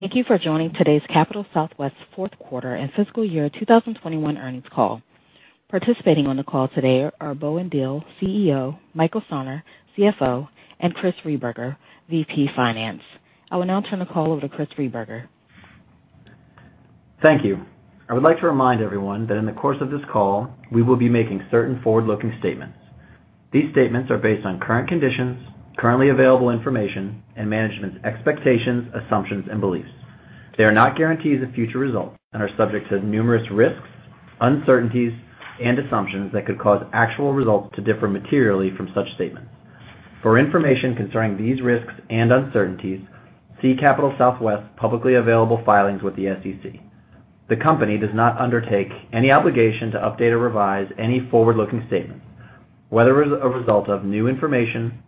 Thank you for joining today's Capital Southwest fourth quarter and fiscal year 2021 earnings call. Participating on the call today are Bowen Diehl, CEO, Michael Sarner, CFO, and Chris Rehberger, VP Finance. I will now turn the call over to Chris Rehberger. Thank you. I would like to remind everyone that in the course of this call, we will be making certain forward-looking statements. These statements are based on current conditions, currently available information, and management's expectations, assumptions, and beliefs. They are not guarantees of future results and are subject to numerous risks, uncertainties, and assumptions that could cause actual results to differ materially from such statements. For information concerning these risks and uncertainties, see Capital Southwest publicly available filings with the SEC. The company does not undertake any obligation to update or revise any forward-looking statements, whether as a result of new information,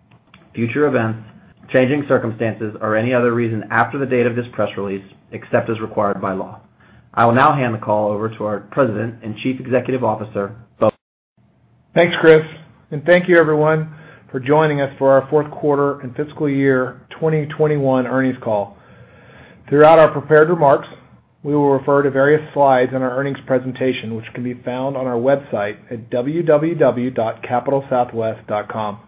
future events, changing circumstances, or any other reason after the date of this press release, except as required by law. I will now hand the call over to our President and Chief Executive Officer, Bowen Diehl. Thanks, Chris, and thank you everyone for joining us for our fourth quarter and fiscal year 2021 earnings call. Throughout our prepared remarks, we will refer to various slides in our earnings presentation, which can be found on our website at www.capitalsouthwest.com.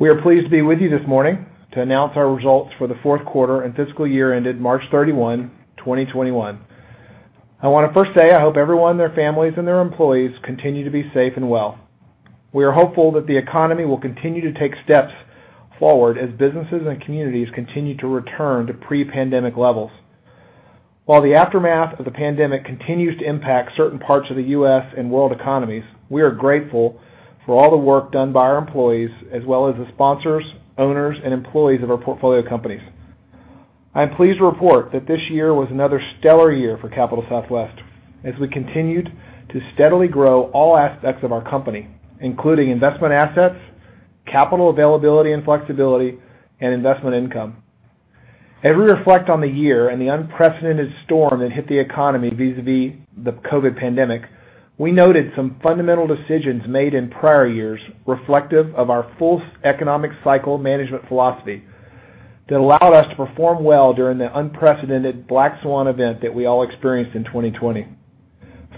We are pleased to be with you this morning to announce our results for the fourth quarter and fiscal year ended March 31, 2021. I want to first say I hope everyone, their families, and their employees continue to be safe and well. We are hopeful that the economy will continue to take steps forward as businesses and communities continue to return to pre-pandemic levels. While the aftermath of the pandemic continues to impact certain parts of the U.S. and world economies, we are grateful for all the work done by our employees as well as the sponsors, owners, and employees of our portfolio companies. I'm pleased to report that this year was another stellar year for Capital Southwest as we continued to steadily grow all aspects of our company, including investment assets, capital availability and flexibility, and investment income. As we reflect on the year and the unprecedented storm that hit the economy vis-a-vis the COVID pandemic, we noted some fundamental decisions made in prior years reflective of our full economic cycle management philosophy that allowed us to perform well during the unprecedented black swan event that we all experienced in 2020.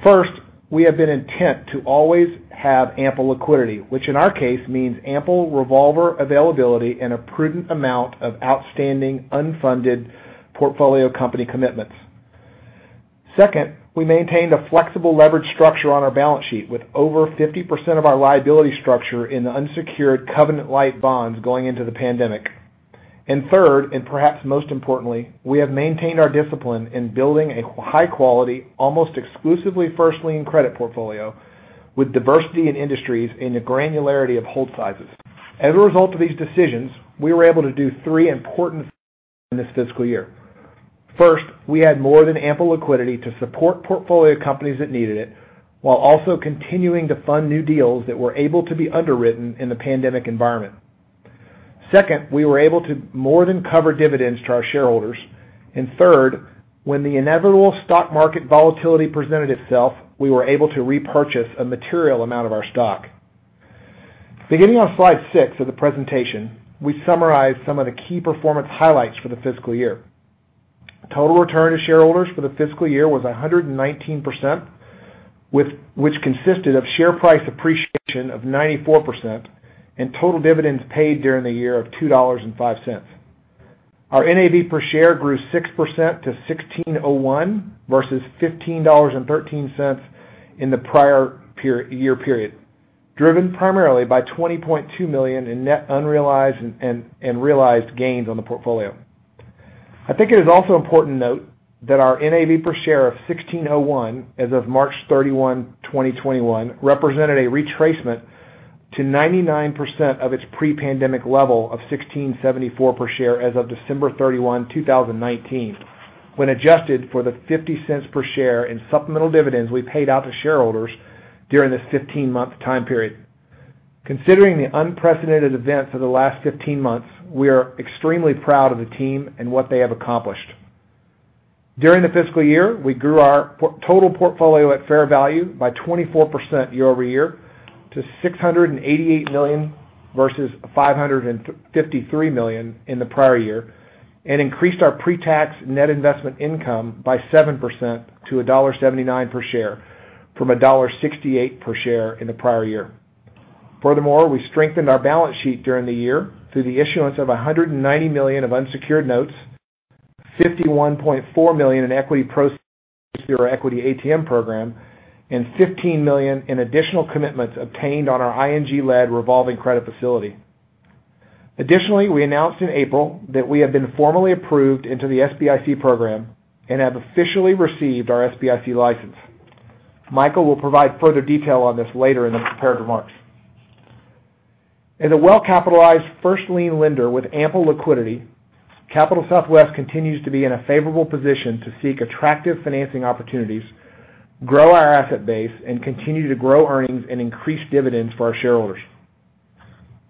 First, we have been intent to always have ample liquidity, which in our case means ample revolver availability and a prudent amount of outstanding unfunded portfolio company commitments. Second, we maintained a flexible leverage structure on our balance sheet with over 50% of our liability structure in unsecured covenant-lite bonds going into the pandemic. Third, and perhaps most importantly, we have maintained our discipline in building a high quality, almost exclusively first lien credit portfolio with diversity in industries in the granularity of hold sizes. As a result of these decisions, we were able to do three important things in this fiscal year. First, we had more than ample liquidity to support portfolio companies that needed it while also continuing to fund new deals that were able to be underwritten in the pandemic environment. Second, we were able to more than cover dividends to our shareholders. Third, when the inevitable stock market volatility presented itself, we were able to repurchase a material amount of our stock. Beginning on slide six of the presentation, we summarize some of the key performance highlights for the fiscal year. Total return to shareholders for the fiscal year was 119%, which consisted of share price appreciation of 94% and total dividends paid during the year of $2.05. Our NAV per share grew 6% to $16.01 versus $15.13 in the prior year period, driven primarily by $20.2 million in net unrealized and realized gains on the portfolio. I think it is also important to note that our NAV per share of $16.01 as of March 31, 2021 represented a retracement to 99% of its pre-pandemic level of $16.74 per share as of December 31, 2019, when adjusted for the $0.50 per share in supplemental dividends we paid out to shareholders during this 15-month time period. Considering the unprecedented events of the last 15 months, we are extremely proud of the team and what they have accomplished. During the fiscal year, we grew our total portfolio at fair value by 24% year-over-year to $688 million versus $553 million in the prior year, and increased our pre-tax net investment income by 7% to $1.79 per share from $1.68 per share in the prior year. Furthermore, we strengthened our balance sheet during the year through the issuance of $190 million of unsecured notes, $51.4 million in equity proceeds through our equity ATM program, and $15 million in additional commitments obtained on our ING-led revolving credit facility. Additionally, we announced in April that we have been formally approved into the SBIC program and have officially received our SBIC license. Michael will provide further detail on this later in his prepared remarks. As a well-capitalized first lien lender with ample liquidity, Capital Southwest continues to be in a favorable position to seek attractive financing opportunities, grow our asset base, and continue to grow earnings and increase dividends for our shareholders.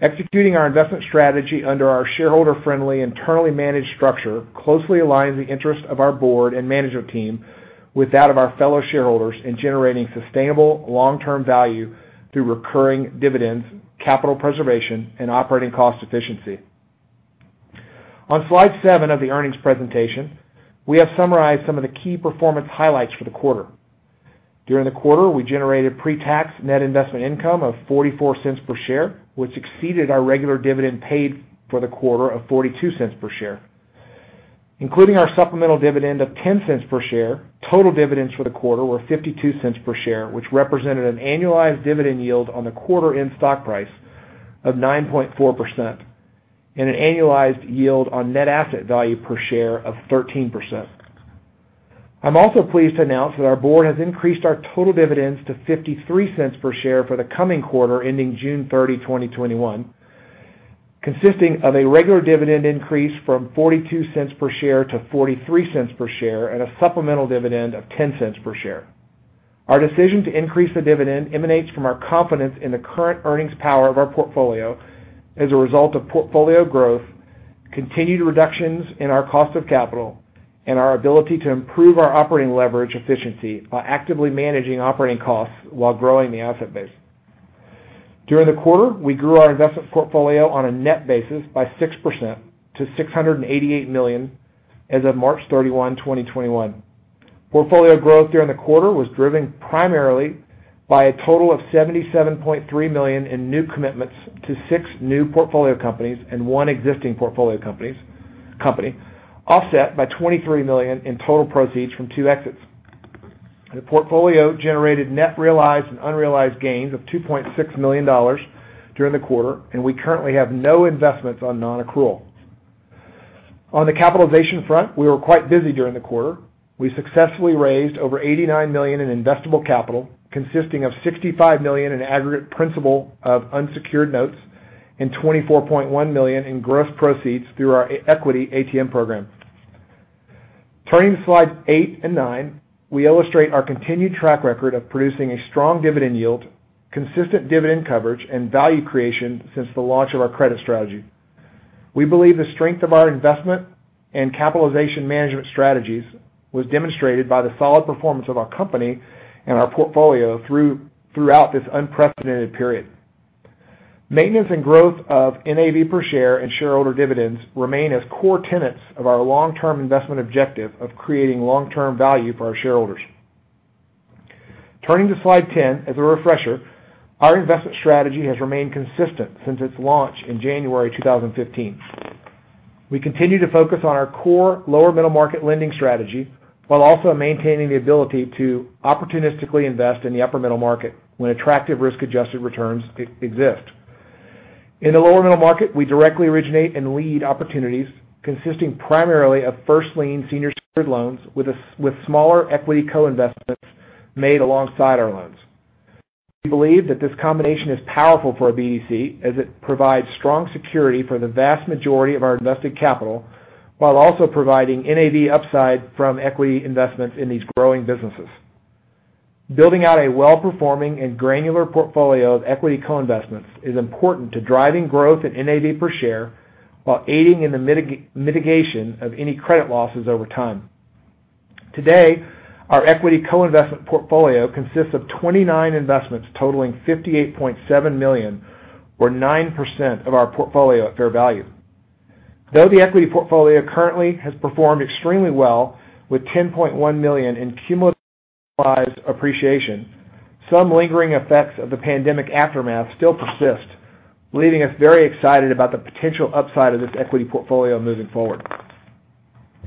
Executing our investment strategy under our shareholder-friendly, internally managed structure closely aligns the interest of our board and management team with that of our fellow shareholders in generating sustainable long-term value through recurring dividends, capital preservation, and operating cost efficiency. On slide seven of the earnings presentation, we have summarized some of the key performance highlights for the quarter. During the quarter, we generated pre-tax net investment income of $0.44 per share, which exceeded our regular dividend paid for the quarter of $0.42 per share. Including our supplemental dividend of $0.10 per share, total dividends for the quarter were $0.52 per share, which represented an annualized dividend yield on the quarter in stock price of 9.4%, and an annualized yield on NAV per share of 13%. I'm also pleased to announce that our board has increased our total dividends to $0.53 per share for the coming quarter ending June 30, 2021, consisting of a regular dividend increase from $0.42 per share to $0.43 per share and a supplemental dividend of $0.10 per share. Our decision to increase the dividend emanates from our confidence in the current earnings power of our portfolio as a result of portfolio growth, continued reductions in our cost of capital, and our ability to improve our operating leverage efficiency by actively managing operating costs while growing the asset base. During the quarter, we grew our investment portfolio on a net basis by 6% to $688 million as of March 31, 2021. Portfolio growth during the quarter was driven primarily by a total of $77.3 million in new commitments to six new portfolio companies and one existing portfolio company, offset by $23 million in total proceeds from two exits. The portfolio generated net realized and unrealized gains of $2.6 million during the quarter, and we currently have no investments on non-accrual. On the capitalization front, we were quite busy during the quarter. We successfully raised over $89 million in investable capital, consisting of $65 million in aggregate principal of unsecured notes and $24.1 million in gross proceeds through our equity ATM program. Turning to slides eight and nine, we illustrate our continued track record of producing a strong dividend yield, consistent dividend coverage, and value creation since the launch of our credit strategy. We believe the strength of our investment and capitalization management strategies was demonstrated by the solid performance of our company and our portfolio throughout this unprecedented period. Maintenance and growth of NAV per share and shareholder dividends remain as core tenets of our long-term investment objective of creating long-term value for our shareholders. Turning to slide 10, as a refresher, our investment strategy has remained consistent since its launch in January 2015. We continue to focus on our core lower middle market lending strategy while also maintaining the ability to opportunistically invest in the upper middle market when attractive risk-adjusted returns exist. In the lower middle market, we directly originate and lead opportunities consisting primarily of first lien senior secured loans with smaller equity co-investments made alongside our loans. We believe that this combination is powerful for a BDC as it provides strong security for the vast majority of our invested capital while also providing NAV upside from equity investments in these growing businesses. Building out a well-performing and granular portfolio of equity co-investments is important to driving growth in NAV per share while aiding in the mitigation of any credit losses over time. Today, our equity co-investment portfolio consists of 29 investments totaling $58.7 million or 9% of our portfolio at fair value. The equity portfolio currently has performed extremely well with $10.1 million in cumulative realized appreciation, some lingering effects of the pandemic aftermath still persist, leaving us very excited about the potential upside of this equity portfolio moving forward.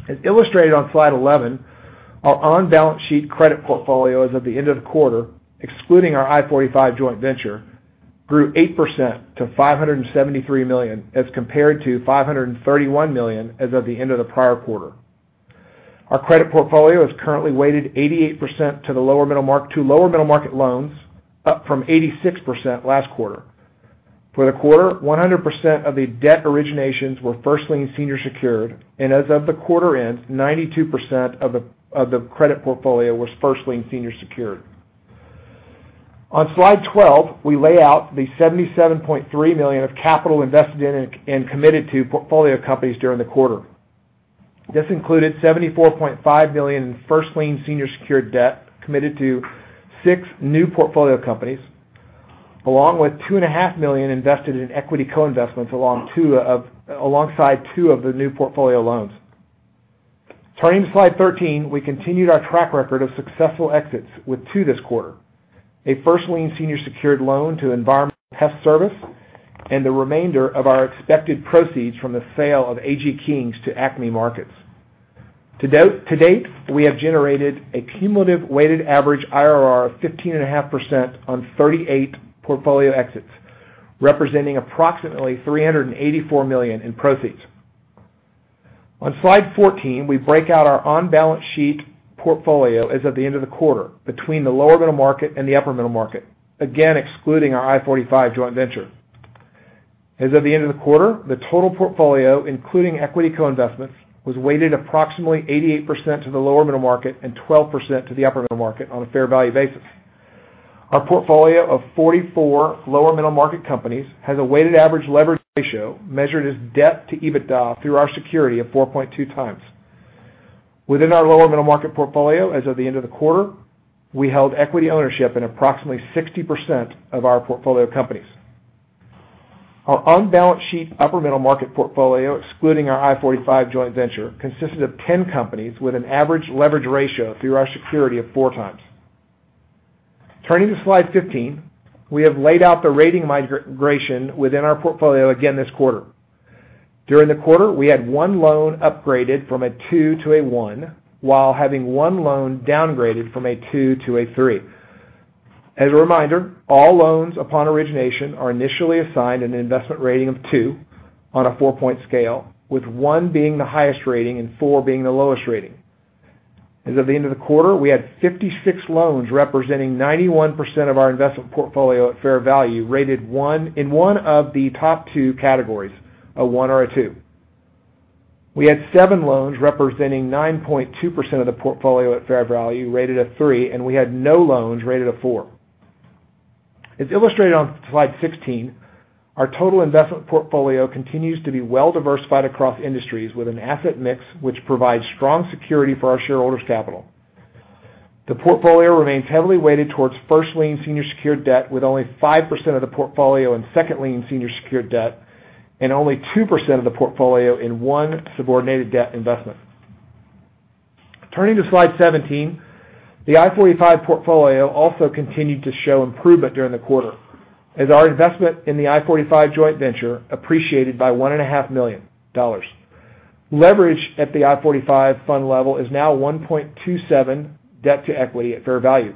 As illustrated on slide 11, our on-balance-sheet credit portfolio as of the end of the quarter, excluding our I-45 joint venture, grew 8% to $573 million as compared to $531 million as of the end of the prior quarter. Our credit portfolio is currently weighted 88% to lower middle market loans, up from 86% last quarter. For the quarter, 100% of the debt originations were first lien senior secured, and as of the quarter end, 92% of the credit portfolio was first lien senior secured. On slide 12, we lay out the $77.3 million of capital invested in and committed to portfolio companies during the quarter. This included $74.5 million in first lien senior secured debt committed to six new portfolio companies, along with $2.5 million invested in equity co-investments alongside two of the new portfolio loans. Turning to slide 13, we continued our track record of successful exits with two this quarter: a first lien senior secured loan to Environmental Pest Service and the remainder of our expected proceeds from the sale of AG Kings to Acme Markets. To date, we have generated a cumulative weighted average IRR of 15.5% on 38 portfolio exits, representing approximately $384 million in proceeds. On slide 14, we break out our on-balance-sheet portfolio as of the end of the quarter between the lower middle market and the upper middle market. Again, excluding our I-45 joint venture. As of the end of the quarter, the total portfolio, including equity co-investments, was weighted approximately 88% to the lower middle market and 12% to the upper middle market on a fair value basis. Our portfolio of 44 lower middle market companies has a weighted average leverage ratio measured as debt to EBITDA through our security of 4.2x. Within our lower middle market portfolio as of the end of the quarter, we held equity ownership in approximately 60% of our portfolio companies. Our on-balance sheet upper middle market portfolio, excluding our I-45 joint venture, consisted of 10 companies with an average leverage ratio through our security of 4x. Turning to slide 15, we have laid out the rating migration within our portfolio again this quarter. During the quarter, we had one loan upgraded from a 2:1 while having one loan downgraded from a 2:3. As a reminder, all loans upon origination are initially assigned an investment rating of two on a four-point scale, with one being the highest rating and four being the lowest rating. As of the end of the quarter, we had 56 loans representing 91% of our investment portfolio at fair value rated in one of the top two categories, a one or a two. We had seven loans representing 9.2% of the portfolio at fair value rated a three, and we had no loans rated a four. As illustrated on slide 16, our total investment portfolio continues to be well-diversified across industries with an asset mix which provides strong security for our shareholders' capital. The portfolio remains heavily weighted towards first-lien senior secured debt with only 5% of the portfolio in second-lien senior secured debt and only 2% of the portfolio in one subordinated debt investment. Turning to slide 17, the I-45 portfolio also continued to show improvement during the quarter as our investment in the I-45 joint venture appreciated by $1.5 million. Leverage at the I-45 fund level is now 1.27 debt to equity at fair value.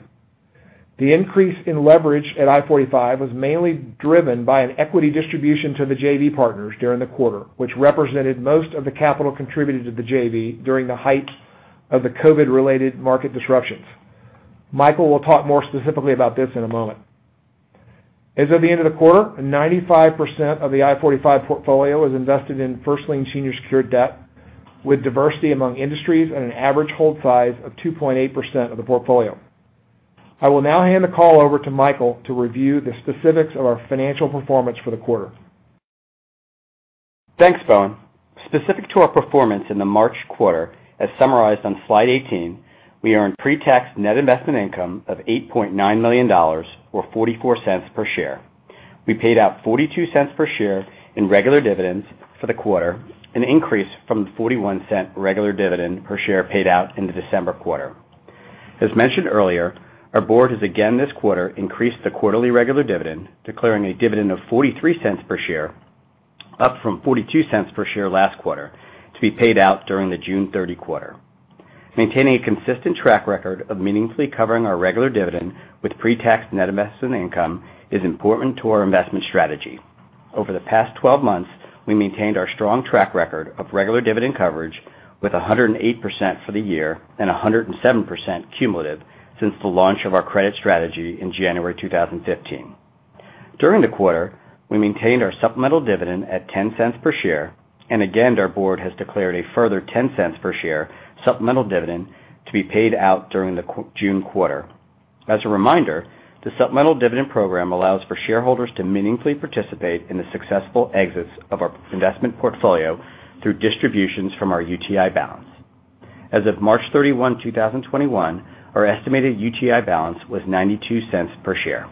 The increase in leverage at I-45 was mainly driven by an equity distribution to the JV partners during the quarter, which represented most of the capital contributed to the JV during the height of the COVID-related market disruptions. Michael will talk more specifically about this in a moment. As of the end of the quarter, 95% of the I-45 portfolio is invested in first-lien senior secured debt with diversity among industries and an average hold size of 2.8% of the portfolio. I will now hand the call over to Michael to review the specifics of our financial performance for the quarter. Thanks, Bowen. Specific to our performance in the March quarter, as summarized on slide 18, we earned pre-tax net investment income of $8.9 million, or $0.44 per share. We paid out $0.42 per share in regular dividends for the quarter, an increase from the $0.41 regular dividend per share paid out in the December quarter. As mentioned earlier, our board has again this quarter increased the quarterly regular dividend, declaring a dividend of $0.43 per share, up from $0.42 per share last quarter, to be paid out during the June 30 quarter. Maintaining a consistent track record of meaningfully covering our regular dividend with pre-tax net investment income is important to our investment strategy. Over the past 12 months, we maintained our strong track record of regular dividend coverage with 108% for the year and 107% cumulative since the launch of our credit strategy in January 2015. During the quarter, we maintained our supplemental dividend at $0.10 per share, and again, our board has declared a further $0.10 per share supplemental dividend to be paid out during the June quarter. As a reminder, the supplemental dividend program allows for shareholders to meaningfully participate in the successful exits of our investment portfolio through distributions from our UTI balance. As of March 31, 2021, our estimated UTI balance was $0.92 per share.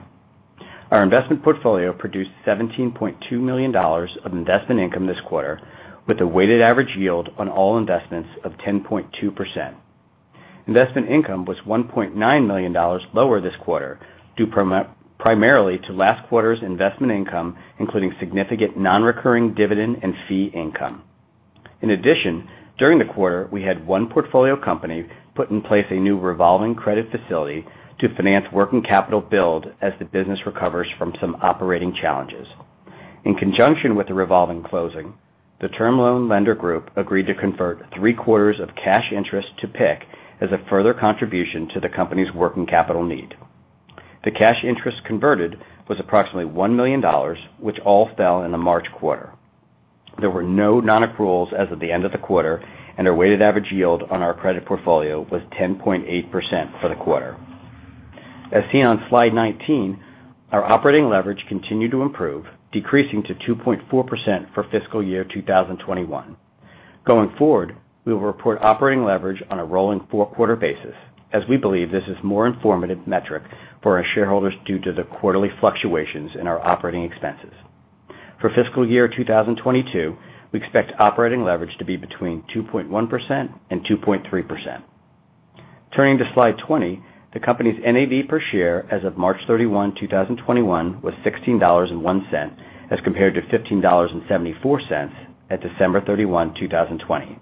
Our investment portfolio produced $17.2 million of investment income this quarter, with a weighted average yield on all investments of 10.2%. Investment income was $1.9 million lower this quarter, due primarily to last quarter's investment income, including significant non-recurring dividend and fee income. In addition, during the quarter, we had one portfolio company put in place a new revolving credit facility to finance working capital build as the business recovers from some operating challenges. In conjunction with the revolving closing, the term loan lender group agreed to convert three-quarters of cash interest to PIK as a further contribution to the company's working capital need. The cash interest converted was approximately $1 million, which all fell in the March quarter. There were no non-accruals as of the end of the quarter, and our weighted average yield on our credit portfolio was 10.8% for the quarter. As seen on slide 19, our operating leverage continued to improve, decreasing to 2.4% for fiscal year 2021. Going forward, we will report operating leverage on a rolling four-quarter basis, as we believe this is a more informative metric for our shareholders due to the quarterly fluctuations in our operating expenses. For fiscal year 2022, we expect operating leverage to be between 2.1% and 2.3%. Turning to slide 20, the company's NAV per share as of March 31, 2021 was $16.01 as compared to $15.74 at December 31, 2020.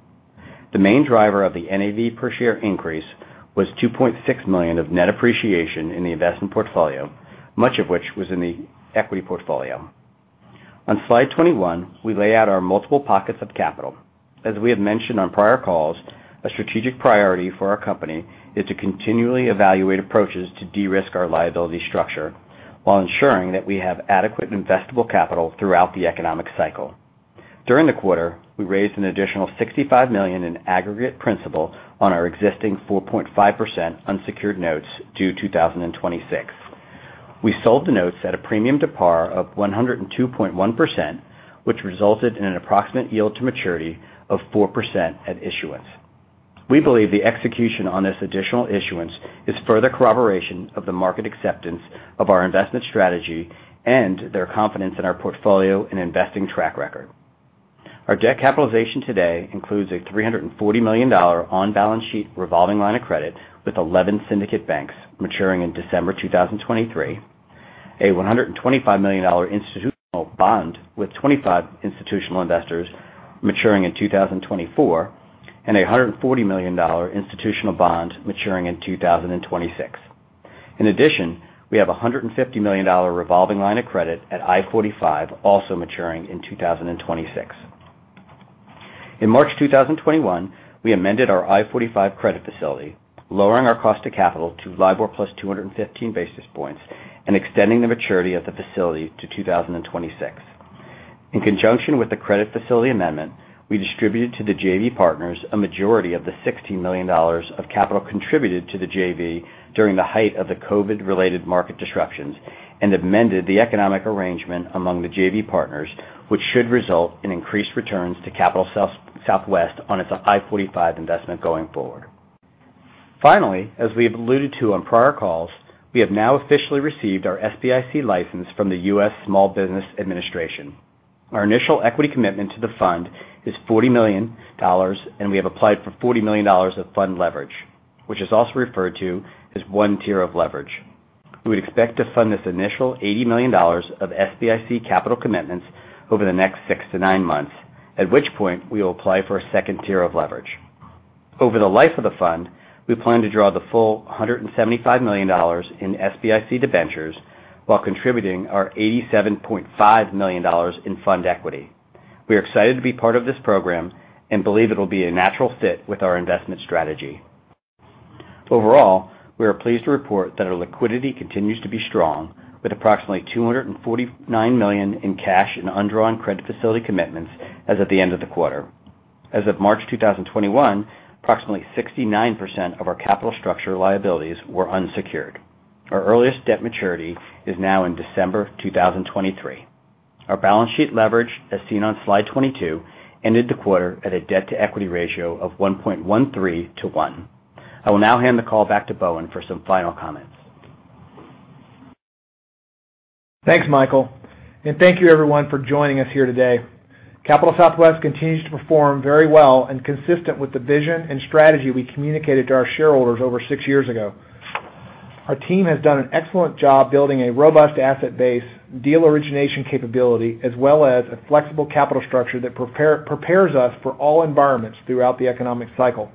The main driver of the NAV per share increase was $2.6 million of net appreciation in the investment portfolio, much of which was in the equity portfolio. On slide 21, we lay out our multiple pockets of capital. As we have mentioned on prior calls, a strategic priority for our company is to continually evaluate approaches to de-risk our liability structure while ensuring that we have adequate investable capital throughout the economic cycle. During the quarter, we raised an additional $65 million in aggregate principal on our existing 4.5% unsecured notes due 2026. We sold the notes at a premium to par of 102.1%, which resulted in an approximate yield to maturity of 4% at issuance. We believe the execution on this additional issuance is further corroboration of the market acceptance of our investment strategy and their confidence in our portfolio and investing track record. Our debt capitalization today includes a $340 million on-balance sheet revolving line of credit with eleven syndicate banks maturing in December 2023, a $125 million institutional bond with 25 institutional investors maturing in 2024, and a $140 million institutional bond maturing in 2026. In addition, we have $150 million revolving line of credit at I-45, also maturing in 2026. In March 2021, we amended our I-45 credit facility, lowering our cost of capital to LIBOR +215 basis points and extending the maturity of the facility to 2026. In conjunction with the credit facility amendment, we distributed to the JV partners a majority of the $16 million of capital contributed to the JV during the height of the COVID-related market disruptions and amended the economic arrangement among the JV partners, which should result in increased returns to Capital Southwest on its I-45 investment going forward. Finally, as we have alluded to on prior calls, we have now officially received our SBIC license from the U.S. Small Business Administration. Our initial equity commitment to the fund is $40 million, and we have applied for $40 million of fund leverage, which is also referred to as one tier of leverage. We expect to fund this initial $80 million of SBIC capital commitments over the next six to nine months, at which point we will apply for a second tier of leverage. Over the life of the fund, we plan to draw the full $175 million in SBIC debentures while contributing our $87.5 million in fund equity. We are excited to be part of this program and believe it'll be a natural fit with our investment strategy. Overall, we are pleased to report that our liquidity continues to be strong with approximately $249 million in cash and undrawn credit facility commitments as of the end of the quarter. As of March 2021, approximately 69% of our capital structure liabilities were unsecured. Our earliest debt maturity is now in December 2023. Our balance sheet leverage, as seen on slide 22, ended the quarter at a debt-to-equity ratio of 1.13:1. I will now hand the call back to Bowen for some final comments. Thanks, Michael. Thank you, everyone, for joining us here today. Capital Southwest continues to perform very well and consistent with the vision and strategy we communicated to our shareholders over six years ago. Our team has done an excellent job building a robust asset base, deal origination capability, as well as a flexible capital structure that prepares us for all environments throughout the economic cycle.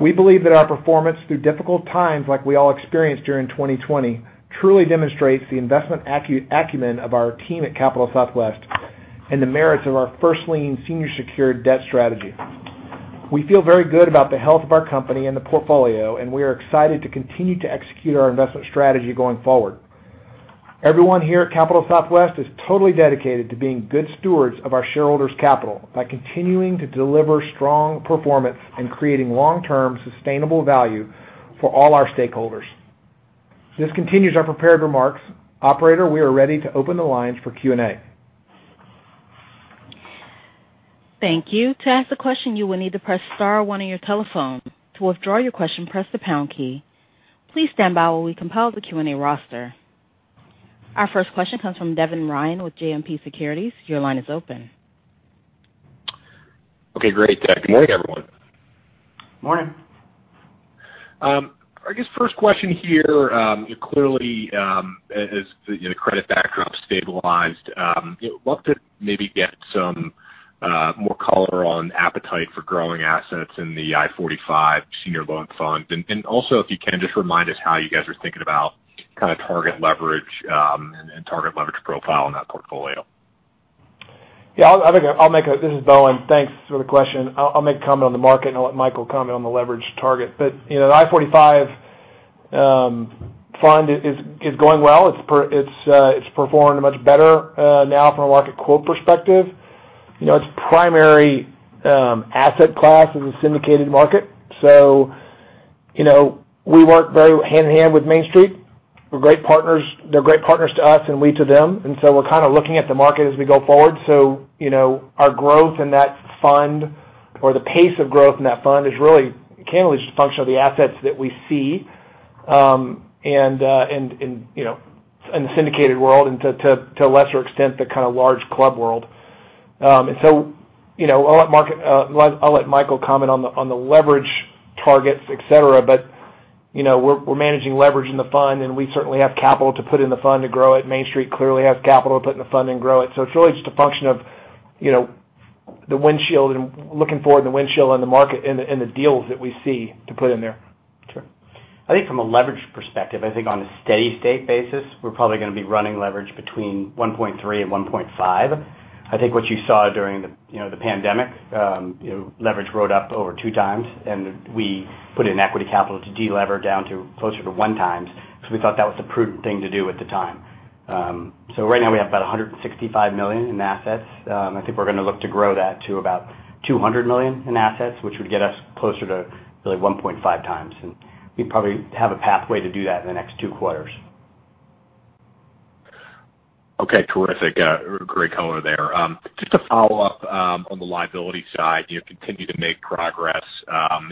We believe that our performance through difficult times, like we all experienced during 2020, truly demonstrates the investment acumen of our team at Capital Southwest and the merits of our first lien senior secured debt strategy. We feel very good about the health of our company and the portfolio. We are excited to continue to execute our investment strategy going forward. Everyone here at Capital Southwest is totally dedicated to being good stewards of our shareholders' capital by continuing to deliver strong performance and creating long-term sustainable value for all our stakeholders. This continues our prepared remarks. Operator, we are ready to open the lines for Q&A. Thank you. To ask a question you will need to press star one on your telephone. To withdraw you question press the pound key. Please stand by while we compile the Q&A roster. Our first question comes from Devin Ryan with JMP Securities. Your line is open. Okay, great. Good morning, everyone. Morning. I guess first question here, clearly as the credit backdrop stabilized, I'd love to maybe get some more color on appetite for growing assets in the I-45 senior loan funds. Also, if you can just remind us how you guys are thinking about target leverage and target leverage profile in that portfolio. Yeah. This is Bowen. Thanks for the question. I'll make a comment on the market, and I'll let Michael comment on the leverage target. The I-45 fund is going well. It's performing much better now from a market quote perspective. Its primary asset class is a syndicated market. We work very hand-in-hand with Main Street. They're great partners to us and we to them. We're kind of looking at the market as we go forward. Our growth in that fund or the pace of growth in that fund is really, again, always a function of the assets that we see in syndicated world and to a lesser extent, the kind of large club world. I'll let Michael comment on the leverage targets, et cetera, but we're managing leverage in the fund, and we certainly have capital to put in the fund to grow it. Main Street clearly has capital to put in the fund and grow it. It's really just a function of looking forward in the windshield in the market and the deals that we see to put in there. Sure. I think from a leverage perspective, I think on a steady-state basis, we're probably going to be running leverage between 1.3x and 1.5x. I think what you saw during the pandemic, leverage rode up over 2x, and we put in equity capital to delever down to closer to 1x because we thought that was the prudent thing to do at the time. Right now we have about $165 million in assets. I think we're going to look to grow that to about $200 million in assets, which would get us closer to really 1.5x, and we probably have a pathway to do that in the next two quarters. Okay, terrific. Great color there. Just a follow-up on the liability side, you continue to make progress.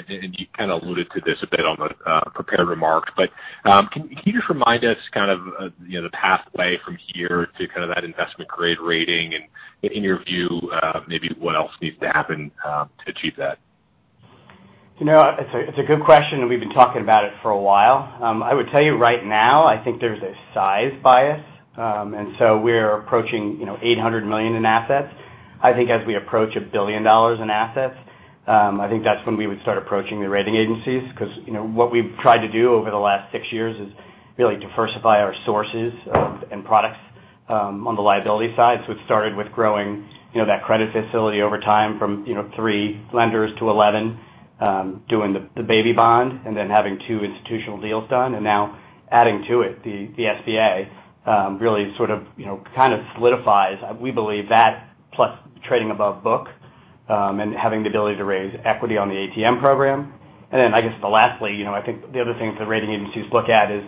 You kind of alluded to this a bit on the prepared remarks, but can you just remind us the pathway from here to that investment-grade rating and in your view maybe what else needs to happen to achieve that? It's a good question. We've been talking about it for a while. I would tell you right now, I think there's a size bias. We're approaching $800 million in assets. I think as we approach $1 billion in assets, I think that's when we would start approaching the rating agencies. What we've tried to do over the last six years is really diversify our sources of and products on the liability side. It started with growing that credit facility over time from three lenders to 11, doing the baby bond, and then having two institutional deals done. Now adding to it the SBIC really solidifies, we believe, that plus trading above book and having the ability to raise equity on the ATM program. I guess the lastly, I think the other thing for the rating agencies look at is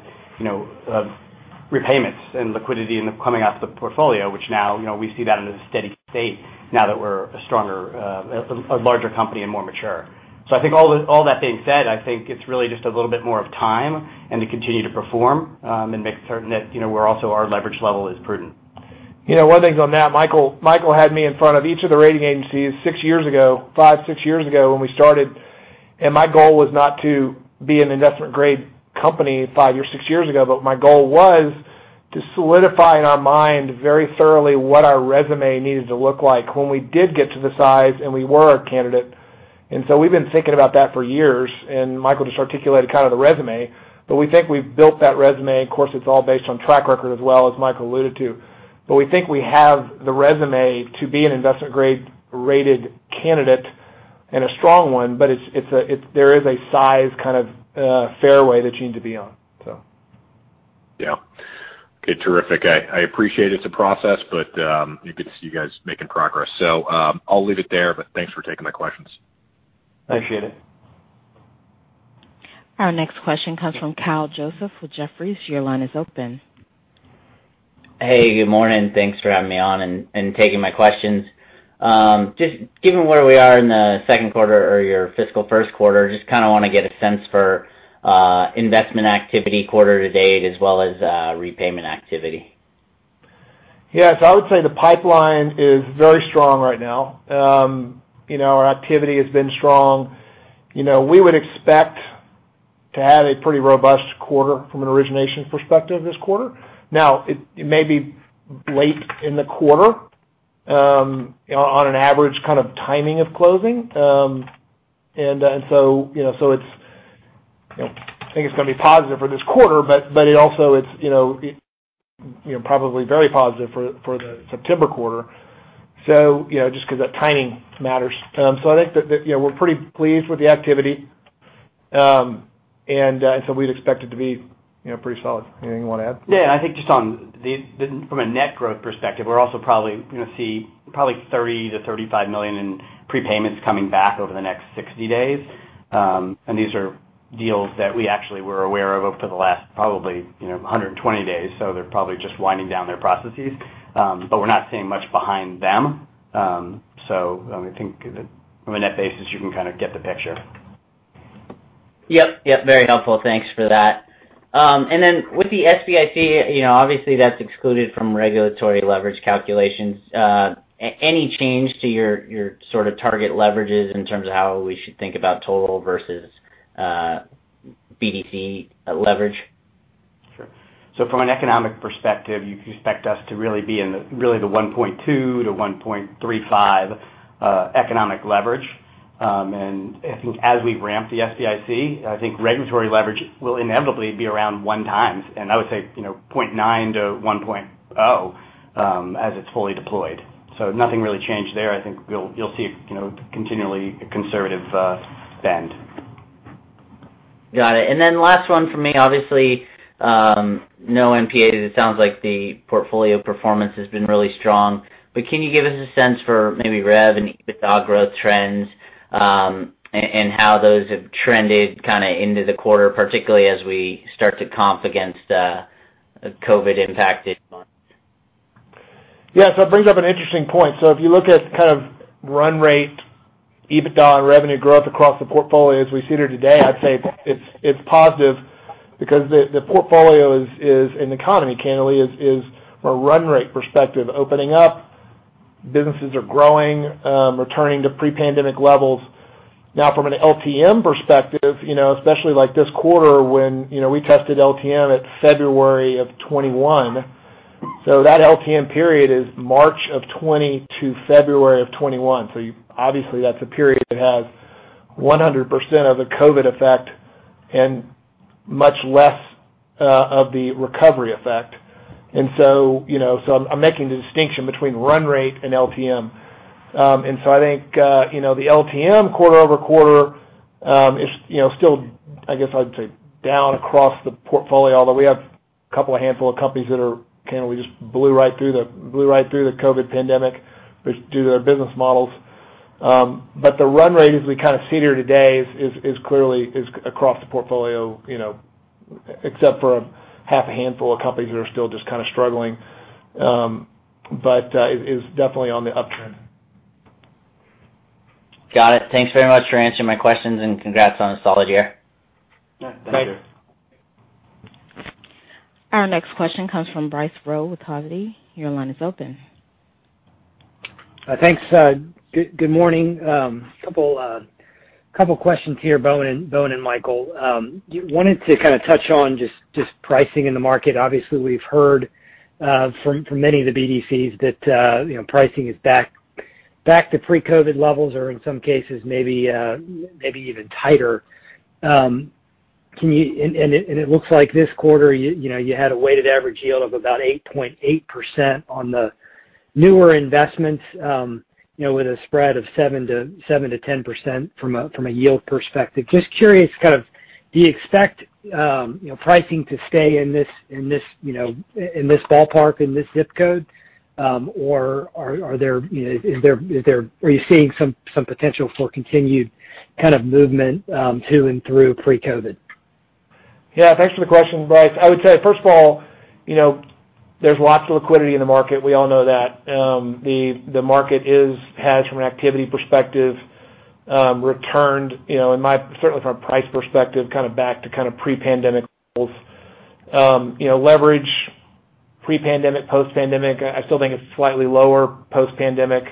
repayments and liquidity coming off the portfolio, which now we see that in a steady state now that we're a larger company and more mature. I think all that being said, I think it's really just a little bit more of time and to continue to perform and make certain that also our leverage level is prudent. One thing on that, Michael had me in front of each of the rating agencies six years ago, five, six years ago when we started. My goal was not to be an investment-grade company five or six years ago, but my goal was to solidify in our mind very thoroughly what our resume needed to look like when we did get to the size and we were a candidate. We've been thinking about that for years, and Michael just articulated the resume. We think we've built that resume. Of course, it's all based on track record as well, as Michael alluded to. We think we have the resume to be an investment-grade rated candidate and a strong one, but there is a size fairway that you need to be on. Yeah. Okay, terrific. I appreciate it's a process, but good to see you guys making progress. I'll leave it there, but thanks for taking my questions. Appreciate it. Our next question comes from Kyle Joseph with Jefferies. Your line is open. Hey, good morning. Thanks for having me on and taking my questions. Given where we are in the second quarter or your fiscal first quarter, just want to get a sense for investment activity quarter to date as well as repayment activity. Yeah. I would say the pipeline is very strong right now. Our activity has been strong. We would expect to have a pretty robust quarter from an origination perspective this quarter. Now, it may be late in the quarter on an average timing of closing. I think it's going to be positive for this quarter, but it also it's probably very positive for the September quarter. Just because that timing matters. I think that we're pretty pleased with the activity. We'd expect it to be pretty solid. Anything you want to add? Yeah, I think just from a net growth perspective, we're also probably going to see probably $30 million-$35 million in prepayments coming back over the next 60 days. These are deals that we actually were aware of over the last probably 120 days. They're probably just winding down their processes. We're not seeing much behind them. I think on a net basis, you can get the picture. Yep, very helpful. Thanks for that. Then with the SBIC, obviously that's excluded from regulatory leverage calculations. Any change to your sort of target leverages in terms of how we should think about total versus BDC leverage? Sure. From an economic perspective, you can expect us to really be in the 1.2x-1.35x economic leverage. I think as we ramp the SBIC, I think regulatory leverage will inevitably be around 1x. I would say 0.9x-1.0x as it's fully deployed. Nothing really changed there. I think you'll see continually a conservative spend. Got it. Last one for me. Obviously, no non-accrual, it sounds like the portfolio performance has been really strong. Can you give us a sense for maybe revenue, EBITDA growth trends and how those have trended into the quarter, particularly as we start to comp against a COVID impacted market? Yeah. It brings up an interesting point. If you look at run rate EBITDA and revenue growth across the portfolio as we sit here today, I'd say it's positive because the portfolio is an economy, candidly, is from a run rate perspective, opening up. Businesses are growing, returning to pre-pandemic levels. Now, from an LTM perspective, especially like this quarter when we tested LTM at February of 2021. That LTM period is March of 2020 to February of 2021. Obviously that's a period that has 100% of the COVID effect and much less of the recovery effect. I'm making the distinction between run rate and LTM. I think, the LTM quarter-over-quarter is still, I guess I'd say down across the portfolio, although we have a couple handful of companies that just blew right through the COVID pandemic due to their business models. The run rate as we see here today is clearly across the portfolio, except for half a handful of companies that are still just struggling. It is definitely on the upturn. Got it. Thanks very much for answering my questions and congrats on a solid year. Thank you. Our next question comes from Bryce Rowe with Hovde Group. Your line is open. Thanks. Good morning. Couple questions here, Bowen and Michael. I wanted to touch on just pricing in the market. Obviously, we've heard from many of the BDCs that pricing is back to pre-COVID levels or in some cases maybe even tighter. It looks like this quarter you had a weighted average yield of about 8.8% on the newer investments with a spread of 7%-10% from a yield perspective. Just curious, do you expect pricing to stay in this ballpark, in this ZIP code? Are you seeing some potential for continued movement to and through pre-COVID? Yeah. Thanks for the question, Bryce. I would say, first of all, there's lots of liquidity in the market. We all know that. The market has, from an activity perspective, returned, certainly from a price perspective, back to pre-pandemic levels. Leverage pre-pandemic, post-pandemic, I still think it's slightly lower post-pandemic.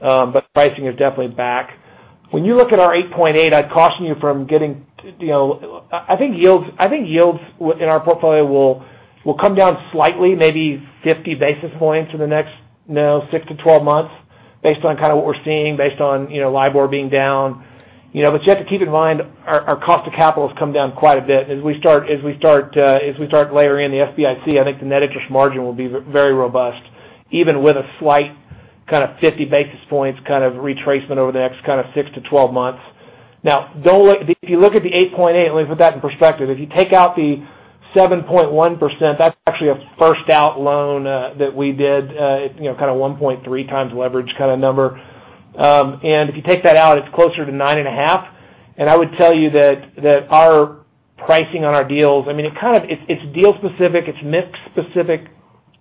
Pricing is definitely back. When you look at our 8.8%, I'd caution you from getting-- I think yields in our portfolio will come down slightly, maybe 50 basis points in the next 6-12 months based on what we're seeing, based on LIBOR being down. You have to keep in mind, our cost of capital has come down quite a bit. If we start layering in the SBIC, I think the net interest margin will be very robust, even with a slight 50 basis points retracement over the next 6-12 months. If you look at the 8.8%, let me put that in perspective. If you take out the 7.1%, that's actually a first-out loan that we did, 1.3x leverage kind of number. If you take that out, it's closer to 9.5%. I would tell you that our pricing on our deals, it's deal specific, it's mix specific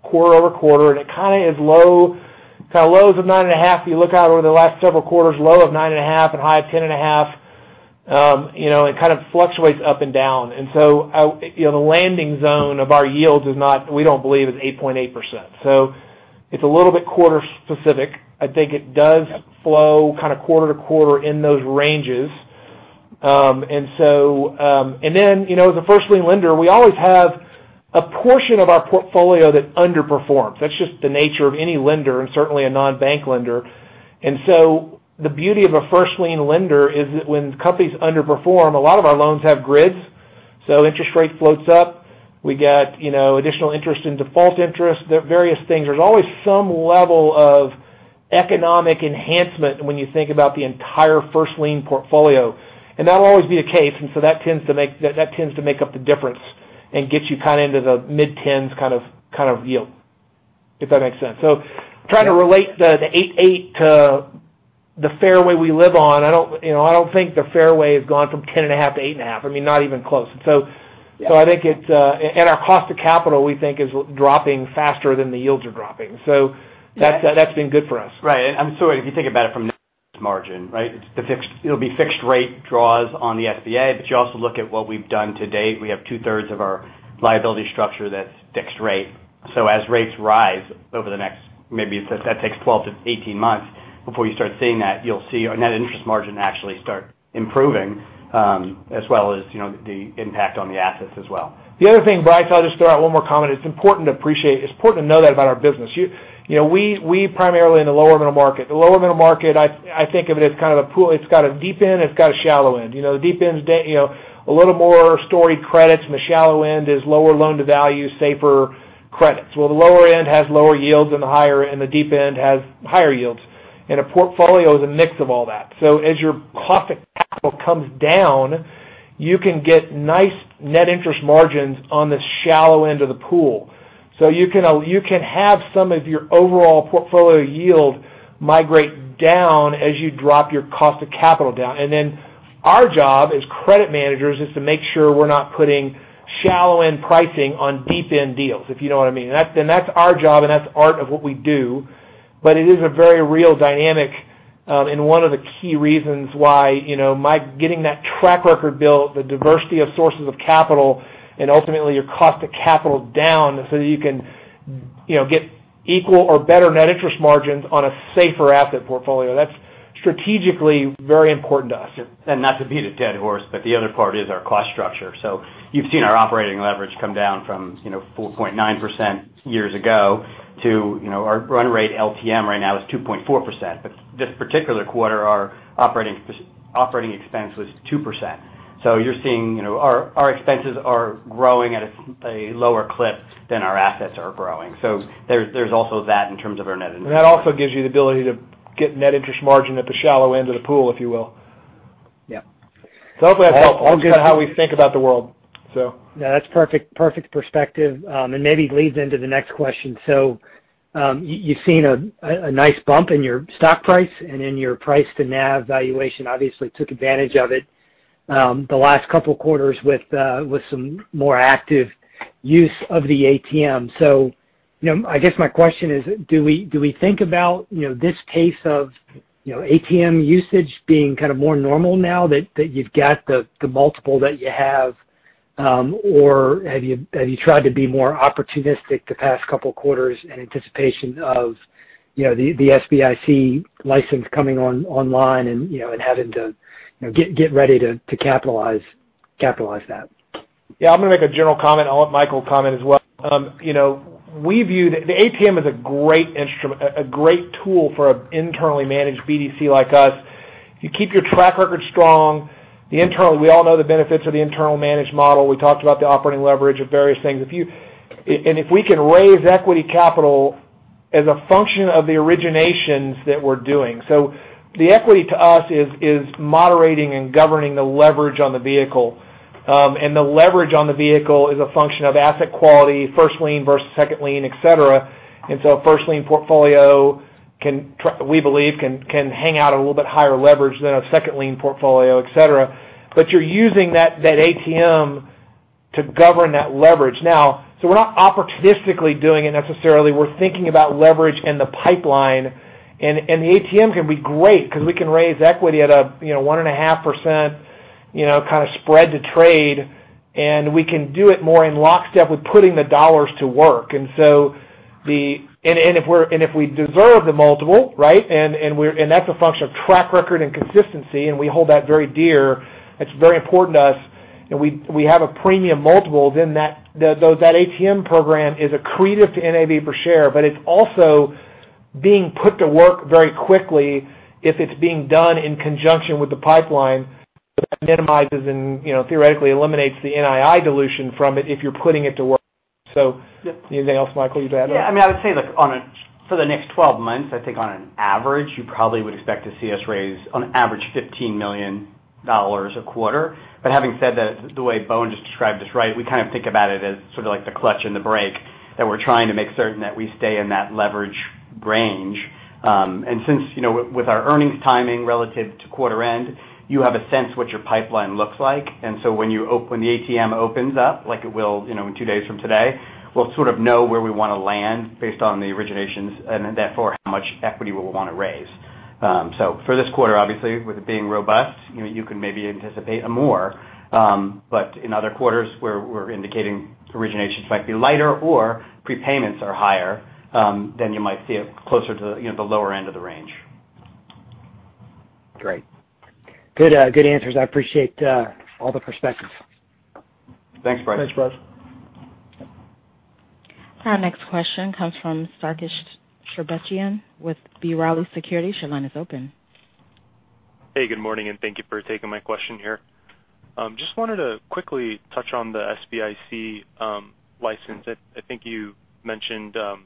quarter-over-quarter, and it is low. It's how low is the 9.5%. You look out over the last several quarters, low of 9.5% and high of 10.5%. It fluctuates up and down. The landing zone of our yields is not, we don't believe, is 8.8%. It's a little bit quarter specific. I think it does flow quarter-to-quarter in those ranges. As a first lien lender, we always have a portion of our portfolio that underperforms. That's just the nature of any lender and certainly a non-bank lender. The beauty of a first lien lender is that when companies underperform, a lot of our loans have grids. Interest rate floats up. We get additional interest and default interest, various things. There's always some level of economic enhancement when you think about the entire first lien portfolio. That'll always be the case, that tends to make up the difference and gets you into the mid-10% kind of yield, if that makes sense. Trying to relate the 8.8% to the fairway we live on, I don't think the fairway has gone from 10.5% to 8.5%. Not even close. Our cost of capital, we think, is dropping faster than the yields are dropping. That's been good for us. Right. If you think about it from net interest margin, right? It'll be fixed rate draws on the SBA. You also look at what we've done to date. We have 2/3 of our liability structure that's fixed rate. As rates rise over the next, maybe let's say it takes 12-18 months before you start seeing that, you'll see our net interest margin actually start improving, as well as the impact on the assets as well. The other thing, Bryce, I'll just throw out one more comment. It's important to appreciate, it's important to know that about our business. We primarily in the lower end of the market. The lower end of the market, I think of it as kind of a pool. It's got a deep end, it's got a shallow end. The deep end is a little more story credits, and the shallow end is lower loan-to-value, safer credits. Well, the lower end has lower yields than the higher, and the deep end has higher yields. A portfolio is a mix of all that. As your cost of capital comes down, you can get nice net interest margins on the shallow end of the pool. You can have some of your overall portfolio yield migrate down as you drop your cost of capital down. Our job as credit managers is to make sure we're not putting shallow-end pricing on deep-end deals, if you know what I mean. That's our job, and that's art of what we do. It is a very real dynamic, and one of the key reasons why getting that track record built, the diversity of sources of capital, and ultimately your cost of capital down so you can get equal or better net interest margins on a safer asset portfolio. That's strategically very important to us. Not to beat a dead horse, but the other part is our cost structure. You've seen our operating leverage come down from 4.9% years ago to our run rate LTM right now is 2.4%. This particular quarter, our operating expense was 2%. You're seeing our expenses are growing at a lower clip than our assets are growing. There's also that in terms of our net interest. That also gives you the ability to get net interest margin at the shallow end of the pool, if you will. Yeah. That's all kind of how we think about the world. No, that's perfect perspective. That leads into the next question. You've seen a nice bump in your stock price and in your price to NAV valuation. Obviously took advantage of it the last couple quarters with some more active use of the ATM. I guess my question is, do we think about this case of ATM usage being more normal now that you've got the multiple that you have? Or have you tried to be more opportunistic the past couple quarters in anticipation of the SBIC license coming online and having to get ready to capitalize that? Yeah, I'm going to make a general comment, and I'll let Michael comment as well. We view the ATM as a great instrument, a great tool for an internally managed BDC like us. You keep your track record strong. We all know the benefits of the internal managed model. We talked about the operating leverage of various things. If we can raise equity capital as a function of the originations that we're doing. The equity to us is moderating and governing the leverage on the vehicle. The leverage on the vehicle is a function of asset quality, first lien versus second lien, et cetera. A first lien portfolio, we believe, can hang out a little bit higher leverage than a second lien portfolio, et cetera. You're using that ATM to govern that leverage. We're not opportunistically doing it necessarily. We're thinking about leverage in the pipeline, and the ATM can be great because we can raise equity at a 1.5% kind of spread to trade, and we can do it more in lockstep with putting the dollars to work. If we deserve the multiple, right, and that's a function of track record and consistency, and we hold that very dear, it's very important to us, and we have a premium multiple, then that ATM program is accretive to NAV per share, but it's also being put to work very quickly if it's being done in conjunction with the pipeline that minimizes and theoretically eliminates the NII dilution from it if you're putting it to work. Anything else, Michael, you'd add? Yeah, I mean, I would say for the next 12 months, I think on an average, you probably would expect to see us raise on average $15 million a quarter. Having said that, the way Bowen just described this, we kind of think about it as sort of like the clutch and the brake, that we're trying to make certain that we stay in that leverage range. Since with our earnings timing relative to quarter end, you have a sense what your pipeline looks like. When the ATM opens up, like it will in two days from today, we'll sort of know where we want to land based on the originations and therefore how much equity we'll want to raise. For this quarter, obviously, with it being robust, you can maybe anticipate more. In other quarters where we're indicating originations might be lighter or prepayments are higher, then you might see it closer to the lower end of the range. Great. Good answers. I appreciate all the perspectives. Thanks, Bryce. Thanks, Bryce. Our next question comes from Sarkis Sherbetchyan with B. Riley Securities. Your line is open. Hey, good morning, and thank you for taking my question here. Just wanted to quickly touch on the SBIC license. I think you mentioned an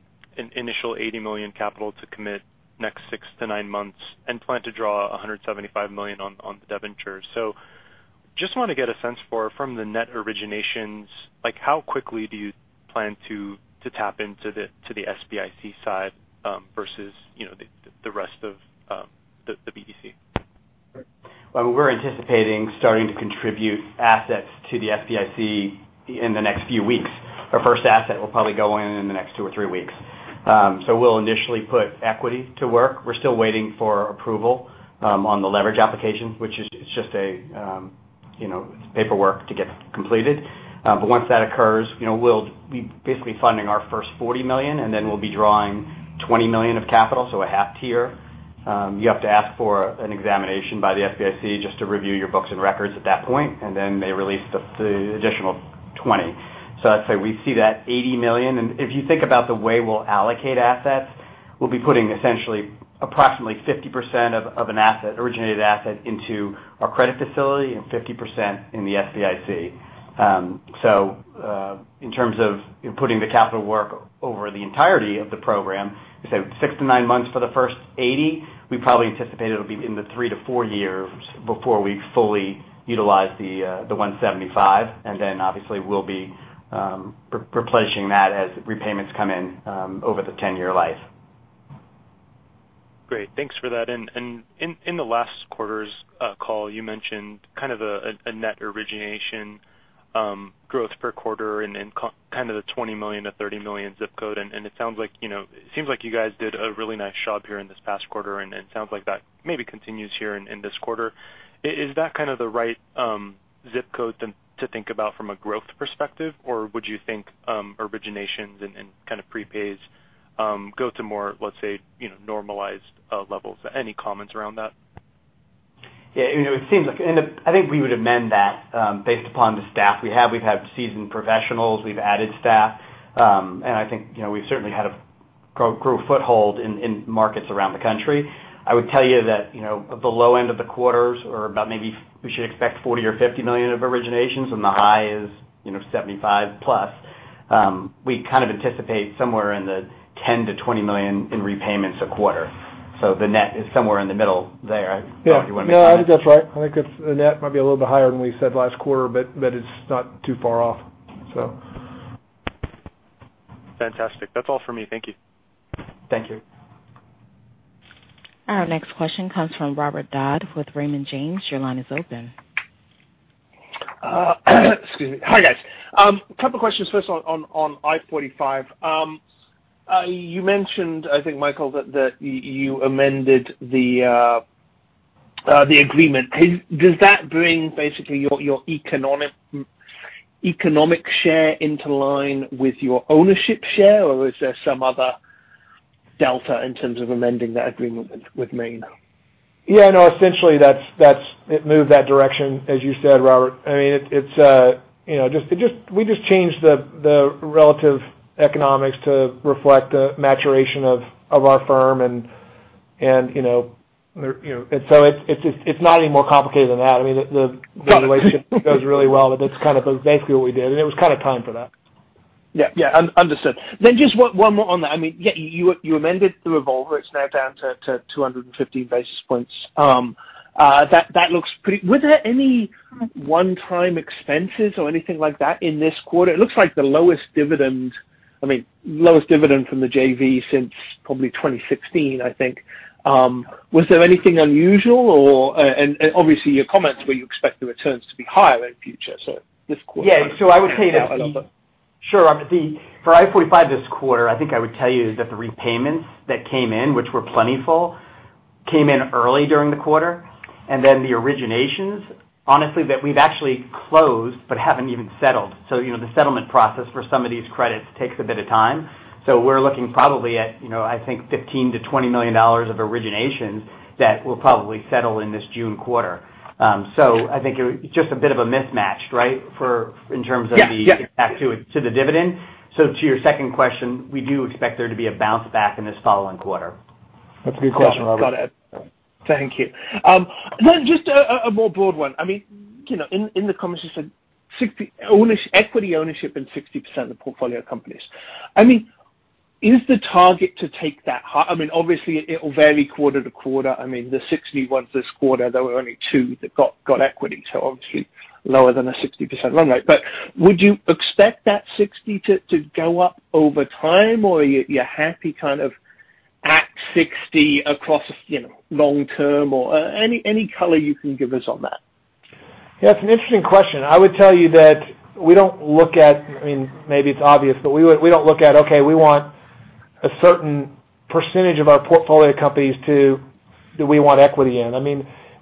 initial $80 million capital to commit next six to nine months and plan to draw $175 million on the debenture. Just want to get a sense for from the net originations, how quickly do you plan to tap into the SBIC side versus the rest of the BDC? We're anticipating starting to contribute assets to the SBIC in the next few weeks. Our first asset will probably go in in the next two or three weeks. We'll initially put equity to work. We're still waiting for approval on the leverage application, which is just paperwork to get completed. Once that occurs, we'll be basically funding our first $40 million, and then we'll be drawing $20 million of capital, so a half tier. You have to ask for an examination by the SBIC just to review your books and records at that point, and then they release the additional $20 million. That's why we see that $80 million. If you think about the way we'll allocate assets, we'll be putting essentially approximately 50% of an asset, originated asset into our credit facility and 50% in the SBIC. In terms of putting the capital to work over the entirety of the program, you said six to nine months for the first $80 million. We probably anticipate it'll be in the three to four years before we fully utilize the $175 million, and then obviously we'll be replacing that as repayments come in over the 10-year life. Great. Thanks for that. In the last quarter's call, you mentioned kind of a net origination growth per quarter and then kind of the $20 million-$30 million ZIP code. It seems like you guys did a really nice job here in this past quarter, and it sounds like that maybe continues here in this quarter. Is that kind of the right ZIP code to think about from a growth perspective, would you think originations and kind of prepays go to more, let's say, normalized levels? Any comments around that? Yeah, I think we would amend that based upon the staff we have. We've had seasoned professionals. We've added staff. I think we've certainly had a growth foothold in markets around the country. I would tell you that the low end of the quarters or about maybe we should expect $40 million or $50 million of originations and the high is $75 million+. We anticipate somewhere in the $10 million-$20 million in repayments a quarter. The net is somewhere in the middle there if you want to do the math. Yeah, I think that's right. I think the net might be a little bit higher than we said last quarter, but it's not too far off. Fantastic. That's all for me. Thank you. Thank you. Our next question comes from Robert Dodd with Raymond James. Your line is open. Excuse me. Hi, guys. A couple questions. First on I-45. You mentioned, I think, Michael, that you amended the agreement. Does that bring basically your economic share into line with your ownership share, or is there some other delta in terms of amending that agreement with Main? Yeah, no, essentially it moves that direction, as you said, Robert. We just changed the relative economics to reflect the maturation of our firm. It's not any more complicated than that. The relationship goes really well. It's basically what we did, and it was kind of time for that. Yeah. Understood. Just one more on that. You amended the revolver. It's now down to 215 basis points. Were there any one-time expenses or anything like that in this quarter? It looks like the lowest dividend from the JV since probably 2016, I think. Was there anything unusual? Obviously your comments were you expect the returns to be higher in future. Yeah. I would say that, sure, Robert, the I-45 this quarter, I think I would tell you, is that the repayments that came in, which were plentiful, came in early during the quarter. Then the originations, honestly, that we've actually closed but haven't even settled. The settlement process for some of these credits takes a bit of time. We're looking probably at, I think $15 million-$20 million of origination that will probably settle in this June quarter. I think it's just a bit of a mismatch, right, in terms of back to the dividend. Yeah To your second question, we do expect there to be a bounce back in this following quarter. Appreciate that. You're welcome. Got it. Thank you. Just a more broad one. In the comments, you said equity ownership in 60% of the portfolio companies. Is the target to take that high? Obviously it'll vary quarter-to-quarter. The 61% this quarter, there were only two that got equity, so obviously lower than a 60% run rate. Would you expect that 60% to go up over time, or you're happy at 60% across long term or any color you can give us on that? Yeah, it's an interesting question. I would tell you that we don't. Maybe it's obvious, but we don't look at, okay, we want a certain percentage of our portfolio companies that we want equity in.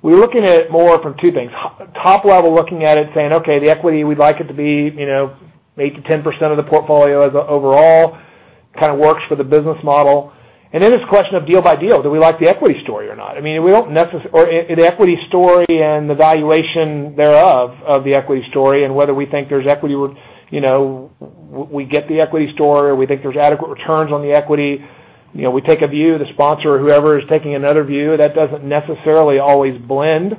We're looking at it more from two things. Top level, looking at it saying, okay, the equity, we'd like it to be maybe 10% of the portfolio overall, kind of works for the business model. Then it's a question of deal by deal. Do we like the equity story or not? An equity story and the valuation thereof, of the equity story, and whether we think there's equity. We get the equity story, we think there's adequate returns on the equity. We take a view, the sponsor or whoever is taking another view. That doesn't necessarily always blend.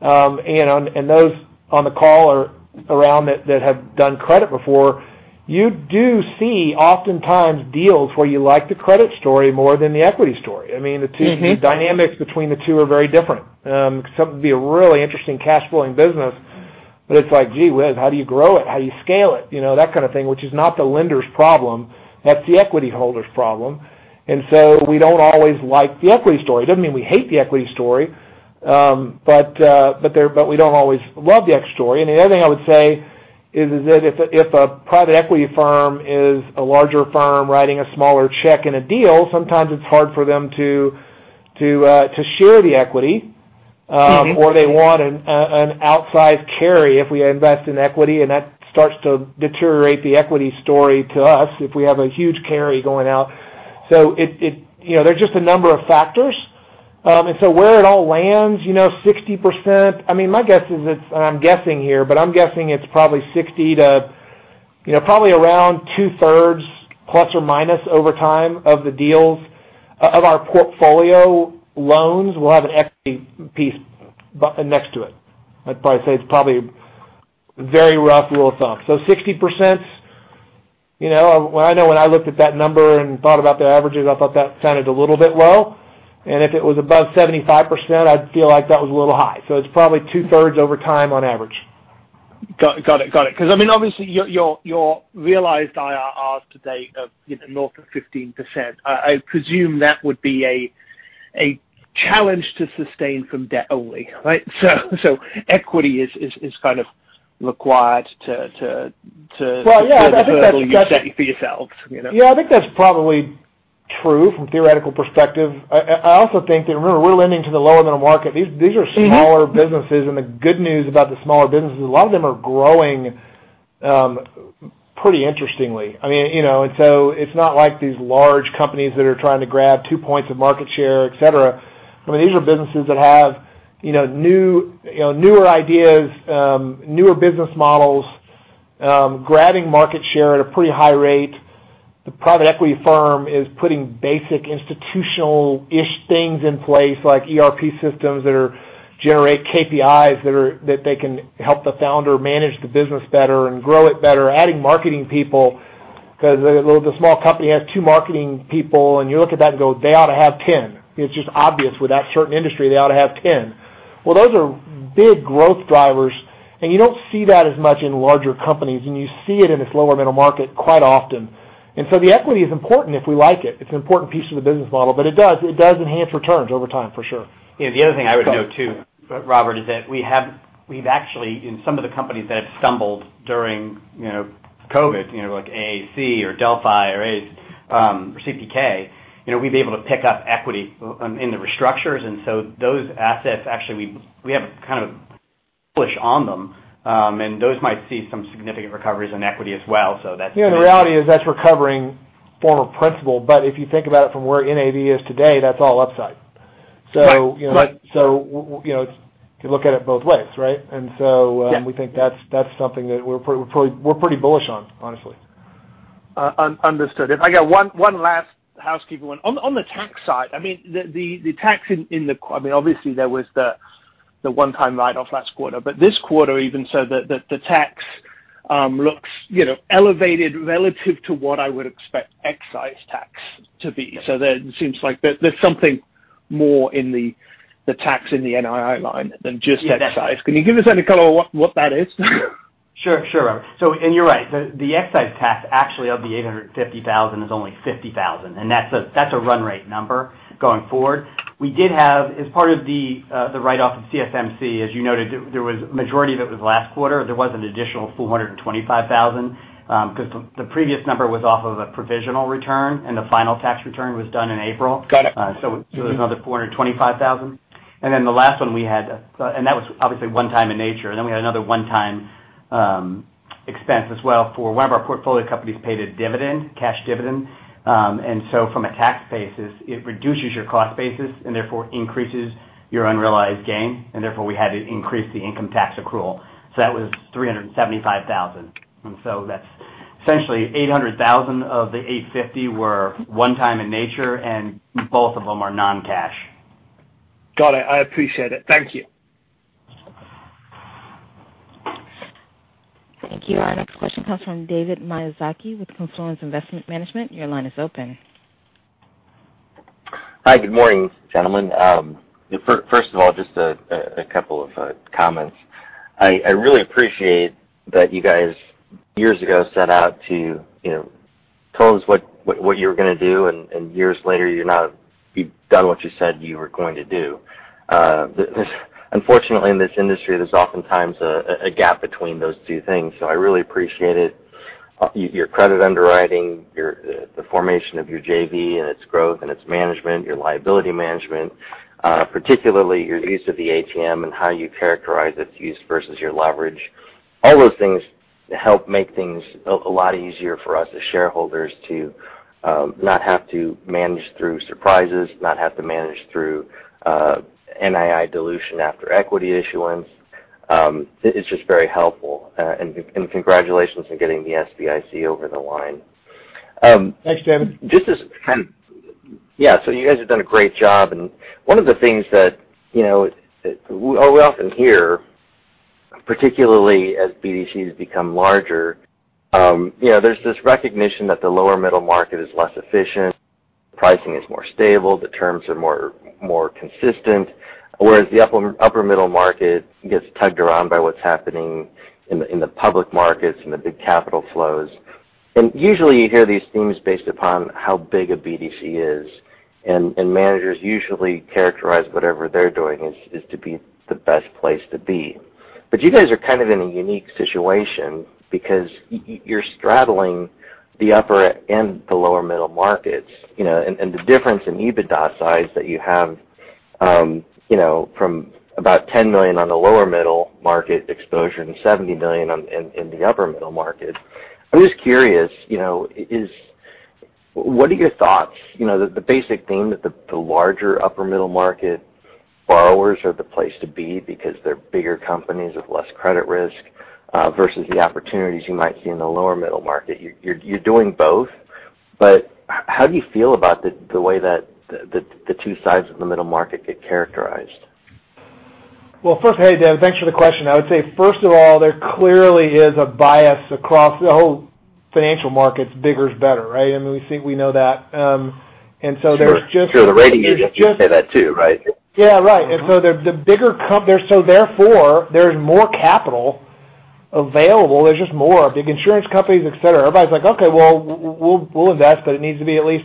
Those on the call or around that have done credit before, you do see oftentimes deals where you like the credit story more than the equity story. The dynamics between the two are very different. Something could be a really interesting cash flowing business, it's like, gee whiz, how do you grow it? How do you scale it? That kind of thing, which is not the lender's problem, that's the equity holder's problem. We don't always like the equity story. It doesn't mean we hate the equity story, we don't always love the equity story. The other thing I would say is that if a private equity firm is a larger firm writing a smaller check in a deal, sometimes it's hard for them to share the equity. They want an outsized carry if we invest in equity, and that starts to deteriorate the equity story to us if we have a huge carry going out. There are just a number of factors. Where it all lands, 60%. My guess is it's, and I'm guessing here, but I'm guessing it's probably 60% to probably around two-thirds, plus or minus over time of the deals of our portfolio loans will have an equity piece next to it. I'd probably say it's probably a very rough rule of thumb. 60%, I know when I looked at that number and thought about the averages, I thought that sounded a little bit low, and if it was above 75%, I'd feel like that was a little high. It's probably two-thirds over time on average. Got it. Obviously your realized IRR to date of north of 15%, I presume that would be a challenge to sustain from debt only, right? So equity is kind of required to- Well, yeah. Set for yourselves. Yeah, I think that's probably true from theoretical perspective. I also think that, remember, we're lending to the lower market. These are smaller businesses. The good news about the smaller businesses, a lot of them are growing pretty interestingly. It's not like these large companies that are trying to grab two points of market share, et cetera. These are businesses that have newer ideas, newer business models, grabbing market share at a pretty high rate. The private equity firm is putting basic institutional-ish things in place, like ERP systems that generate KPIs that they can help the founder manage the business better and grow it better, adding marketing people. The small company has two marketing people, and you look at that and go, "They ought to have 10." It's just obvious for that certain industry they ought to have 10. Well, those are big growth drivers, and you don't see that as much in larger companies, and you see it in this lower middle market quite often. The equity is important if we like it. It's an important piece of the business model, but it does enhance returns over time, for sure. The other thing I would note too, Robert, is that we've actually, in some of the companies that stumbled during COVID, like AAC or Delphi or ACE, or CDK, we've been able to pick up equity in the restructures. Those assets, actually, we have kind of bullish on them, and those might see some significant recoveries in equity as well. The reality is that's recovering former principal. If you think about it from where NAV is today, that's all upside. Yeah. You look at it both ways, right? We think that's something that we're pretty bullish on, honestly. Understood. If I get one last housekeeping one. On the tax side, I mean, the tax in obviously there was the one-time write-off last quarter, but this quarter even so the tax looks elevated relative to what I would expect excise tax to be. There seems like there's something more in the tax in the NII line than just that excise. Can you give us any color on what that is? Sure. You're right. The excise tax actually of the $850,000 is only $50,000. That's a run rate number going forward. We did have, as part of the write-off of CSMC, as you noted, there was majority of it was last quarter. There was an additional $425,000 because the previous number was off of a provisional return. The final tax return was done in April. Got it. There's another $425,000. The last one we had, and that was obviously one time in nature. We had another one-time expense as well for one of our portfolio companies paid a dividend, cash dividend. From a tax basis, it reduces your cost basis and therefore increases your unrealized gain. Therefore, we had to increase the income tax accrual. That was $375,000. That's essentially $800,000 of the $850,000 were one time in nature, and both of them are non-cash. Got it. I appreciate it. Thank you. Thank you. Our next question comes from David Miyazaki with Confluence Investment Management. Your line is open. Hi. Good morning, gentlemen. First of all, just a couple of comments. I really appreciate that you guys, years ago, set out to promise what you were going to do, and years later, you've done what you said you were going to do. Unfortunately, in this industry, there's oftentimes a gap between those two things, so I really appreciate it. Your credit underwriting, the formation of your JV and its growth and its management, your liability management, particularly your use of the ATM and how you characterize its use versus your leverage. All those things help make things a lot easier for us as shareholders to not have to manage through surprises, not have to manage through NII dilution after equity issuance. It's just very helpful. Congratulations on getting the SBIC over the line. Thanks, David. Yeah. You guys have done a great job, and one of the things that we often hear, particularly as BDCs become larger, there's this recognition that the lower middle market is less efficient, pricing is more stable, the terms are more consistent, whereas the upper middle market gets tugged around by what's happening in the public markets and the big capital flows. Usually, you hear these themes based upon how big a BDC is, and managers usually characterize whatever they're doing as to be the best place to be. You guys are kind of in a unique situation because you're straddling the upper and the lower middle markets. The difference in EBITDA size that you have from about $10 million on the lower middle market exposure and $70 million in the upper middle market. I'm just curious, what are your thoughts? The basic theme that the larger upper middle market borrowers are the place to be because they're bigger companies with less credit risk versus the opportunities you might see in the lower middle market. You're doing both, but how do you feel about the way that the two sides of the middle market get characterized? Well, first, hey, David, thanks for the question. I would say, first of all, there clearly is a bias across all financial markets, bigger is better, right? We think we know that. Sure. The rating agencies say that too, right? Yeah, right. Therefore, there's more capital available. There's just more. Big insurance companies, et cetera. Everybody's like, "Okay, well, we'll invest, but it needs to be at least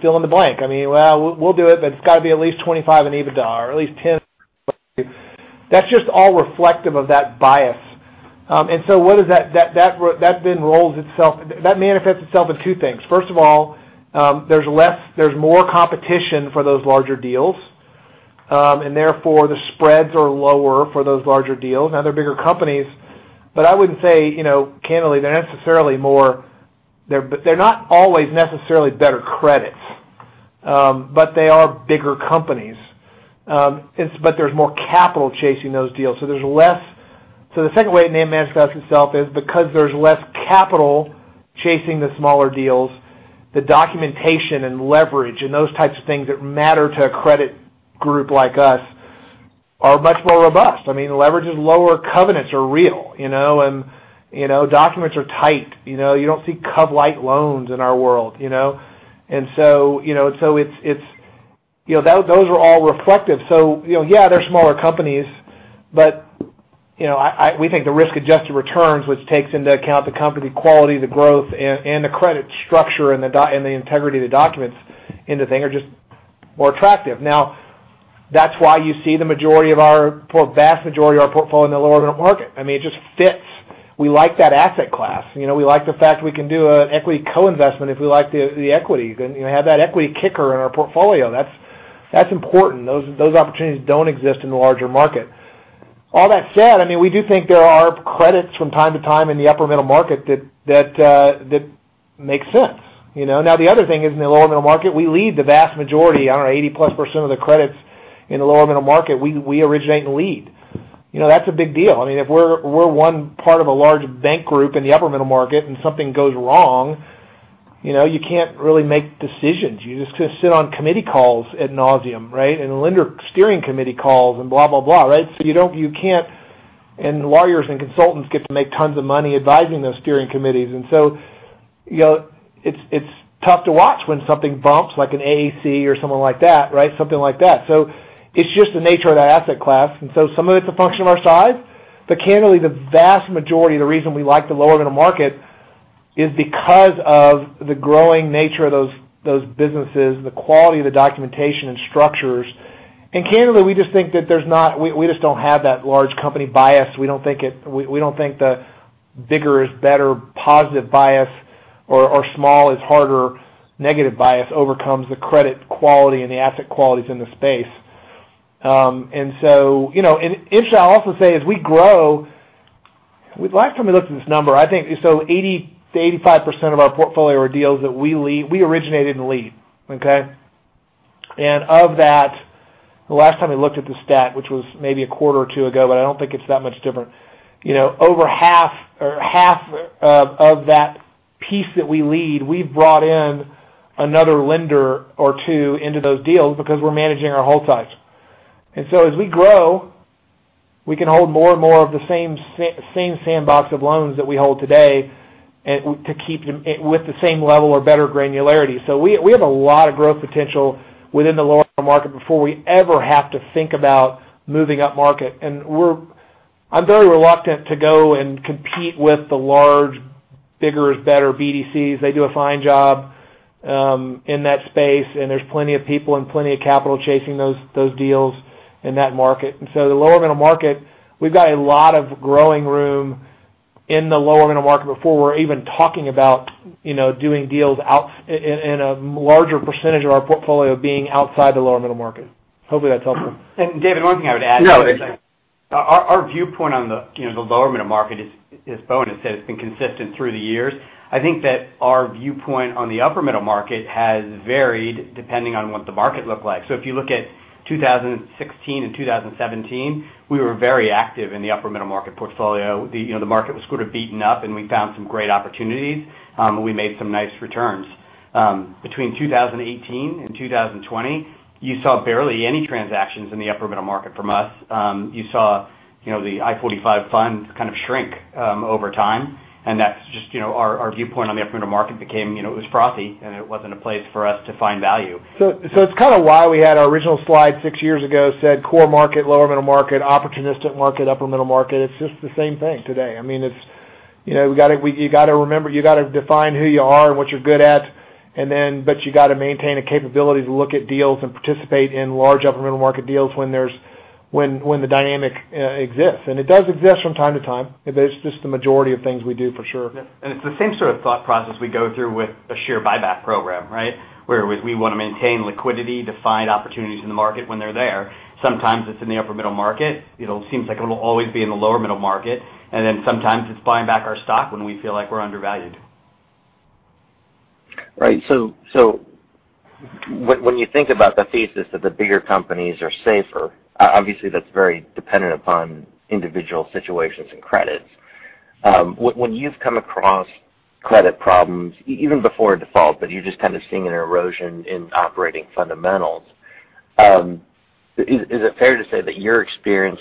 fill in the blank." I mean, "Well, we'll do it, but it's got to be at least 25% in EBITDA or at least $10 million." That's just all reflective of that bias. What is that? That manifests itself in two things. First of all, there's more competition for those larger deals. Therefore, the spreads are lower for those larger deals. Now they're bigger companies. I wouldn't say, candidly, they're not always necessarily better credits. They are bigger companies. There's more capital chasing those deals. The second way it manifests itself is because there's less capital chasing the smaller deals, the documentation and leverage and those types of things that matter to a credit group like us are much more robust. Leverages is lower, covenants are real, and documents are tight. You don't see cov-lite loans in our world. Those are all reflective. Yeah, they're smaller companies, but we think the risk-adjusted returns, which takes into account the company quality, the growth, and the credit structure, and the integrity of the documents into the thing are just more attractive. That's why you see the vast majority of our portfolio in the lower middle market. It just fits. We like that asset class. We like the fact we can do an equity co-investment if we like the equity. You can have that equity kicker in our portfolio, and that's important. Those opportunities don't exist in the larger market. All that said, we do think there are credits from time to time in the upper middle market that makes sense. Now, the other thing is in the lower middle market, we lead the vast majority, 80%+ of the credits in the lower middle market, we originate and lead. That's a big deal. If we're one part of a large bank group in the upper middle market and something goes wrong, you can't really make decisions. You just sit on committee calls ad nauseam, right. Lender steering committee calls and blah, blah, right. Lawyers and consultants get to make tons of money advising those steering committees. It's tough to watch when something bumps like an AEC or something like that, right. Something like that. It's just the nature of the asset class. Some of it's a function of our size, but candidly, the vast majority of the reason we like the lower middle market is because of the growing nature of those businesses, the quality of the documentation and structures. Candidly, we just don't have that large company bias. We don't think the bigger is better positive bias or small is harder negative bias overcomes the credit quality and the asset qualities in the space. I should also say, as we grow, the last time we looked at this number, I think 80%-85% of our portfolio are deals that we lead. We originate and lead. Okay? Of that, the last time we looked at the stat, which was maybe a quarter or two ago, but I don't think it's that much different. Over half of that piece that we lead, we've brought in another lender or two into those deals because we're managing our whole size. As we grow, we can hold more and more of the same sandbox of loans that we hold today with the same level or better granularity. We have a lot of growth potential within the lower middle market before we ever have to think about moving up market. I'm very reluctant to go and compete with the large, bigger is better BDCs. They do a fine job in that space, there's plenty of people and plenty of capital chasing those deals in that market. The lower middle market, we've got a lot of growing room in the lower middle market before we're even talking about doing deals and a larger percentage of our portfolio being outside the lower middle market. Hopefully that helps. David, one thing I would add is our viewpoint on the lower middle market, as Bowen has said, has been consistent through the years. I think that our viewpoint on the upper middle market has varied depending on what the market looked like. If you look at 2016 and 2017, we were very active in the upper middle market portfolio. The market was sort of beaten up, and we found some great opportunities, and we made some nice returns. Between 2018 and 2020, you saw barely any transactions in the upper middle market from us. You saw the I-45 funds kind of shrink over time, and that's just our viewpoint on the upper middle market became it was frothy, and it wasn't a place for us to find value. It's kind of why we had our original slide six years ago said core market, lower middle market, opportunistic market, upper middle market. It's just the same thing today. You got to define who you are and what you're good at, you got to maintain a capability to look at deals and participate in large upper middle market deals when the dynamic exists, it does exist from time to time. It's just the majority of things we do for sure. It's the same sort of thought process we go through with a share buyback program, right? Where we want to maintain liquidity to find opportunities in the market when they're there. Sometimes it's in the upper middle market. It seems like it'll always be in the lower middle market, sometimes it's buying back our stock when we feel like we're undervalued. Right. When you think about the thesis that the bigger companies are safer, obviously that's very dependent upon individual situations and credits. When you've come across credit problems even before a default, but you're just kind of seeing an erosion in operating fundamentals, is it fair to say that your experience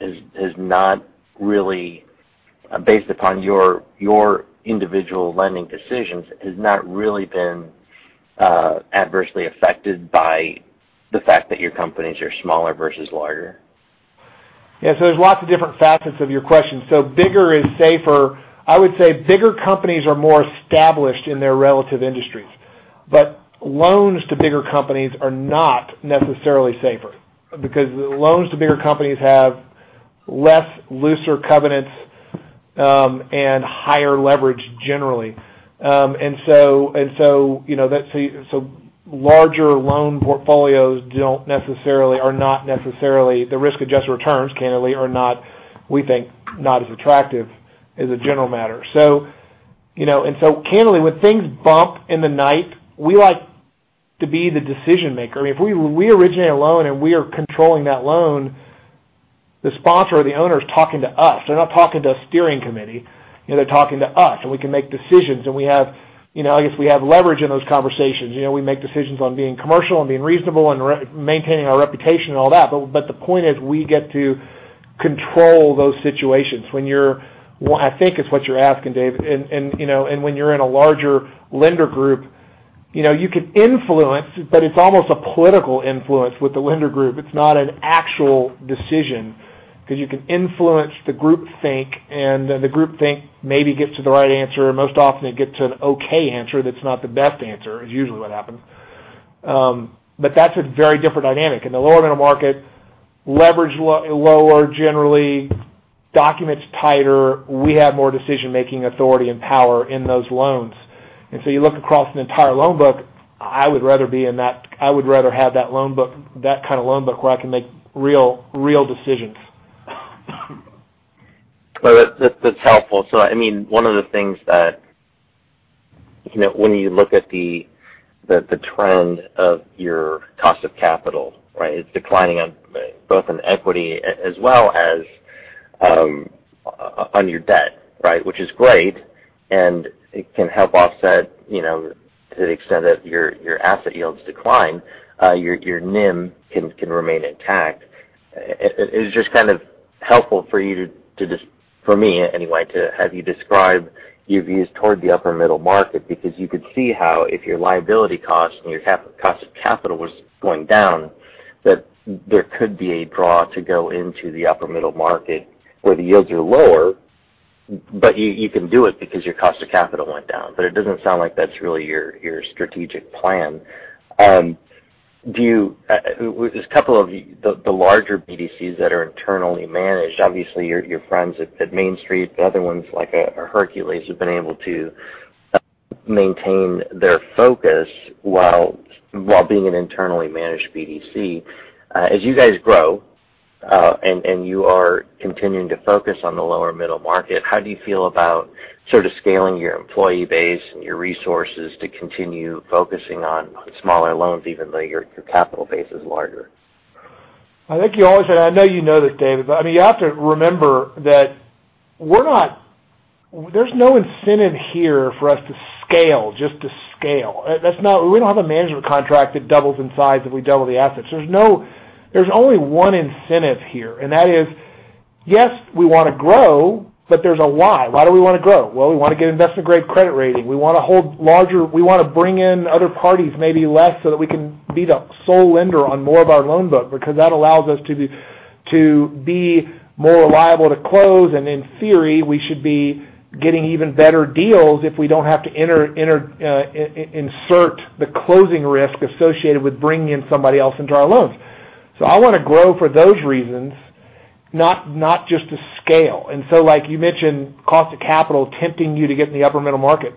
is not really based upon your individual lending decisions, has not really been adversely affected by the fact that your companies are smaller versus larger? Yeah. There's lots of different facets of your question. Bigger is safer. I would say bigger companies are more established in their relative industries, but loans to bigger companies are not necessarily safer because loans to bigger companies have less looser covenants and higher leverage generally. Larger loan portfolios are not necessarily the risk-adjusted returns, candidly, are not, we think, not as attractive as a general matter. Candidly, when things bump in the night, we like to be the decision maker. If we originate a loan and we are controlling that loan, the sponsor or the owner is talking to us. They're not talking to a steering committee, they're talking to us, and we can make decisions. Obviously, we have leverage in those conversations. We make decisions on being commercial and being reasonable and maintaining our reputation and all that. The point is, we get to control those situations. I think it's what you're asking, David, and when you're in a larger lender group, you can influence, but it's almost a political influence with the lender group. It's not an actual decision, because you can influence the group think, and then the group think maybe gets to the right answer, and most often it gets to an okay answer that's not the best answer, is usually what happens. That's a very different dynamic. In the lower middle market, leverage lower, generally, documents tighter. We have more decision-making authority and power in those loans. You look across an entire loan book, I would rather have that kind of loan book where I can make real decisions. That's helpful. One of the things that when you look at the trend of your cost of capital, it's declining both in equity as well as on your debt. Which is great, and it can help offset to the extent that your asset yields decline, your NIM can remain intact. It's just helpful for me, anyway, to have you describe your views toward the upper middle market, because you could see how if your liability cost and your cost of capital was going down, that there could be a draw to go into the upper middle market where the yields are lower. You can do it because your cost of capital went down, but it doesn't sound like that's really your strategic plan. There's a couple of the larger BDCs that are internally managed. Obviously, your friends at Main Street, the other ones like Hercules, have been able to maintain their focus while being an internally managed BDC. As you guys grow and you are continuing to focus on the lower middle market, how do you feel about scaling your employee base and your resources to continue focusing on smaller loans even though your capital base is larger? I think you always say, I know you know this, David, but you have to remember that there's no incentive here for us to scale just to scale. We don't have a management contract that doubles in size if we double the assets. There's only one incentive here, and that is, yes, we want to grow, but there's a why. Why do we want to grow? Well, we want to get an investment-grade credit rating. We want to bring in other parties, maybe less so that we can be the sole lender on more of our loan book, because that allows us to be more reliable to close, and in theory, we should be getting even better deals if we don't have to insert the closing risk associated with bringing in somebody else into our loans. I want to grow for those reasons, not just to scale. Like you mentioned, cost of capital tempting you to get in the upper middle market.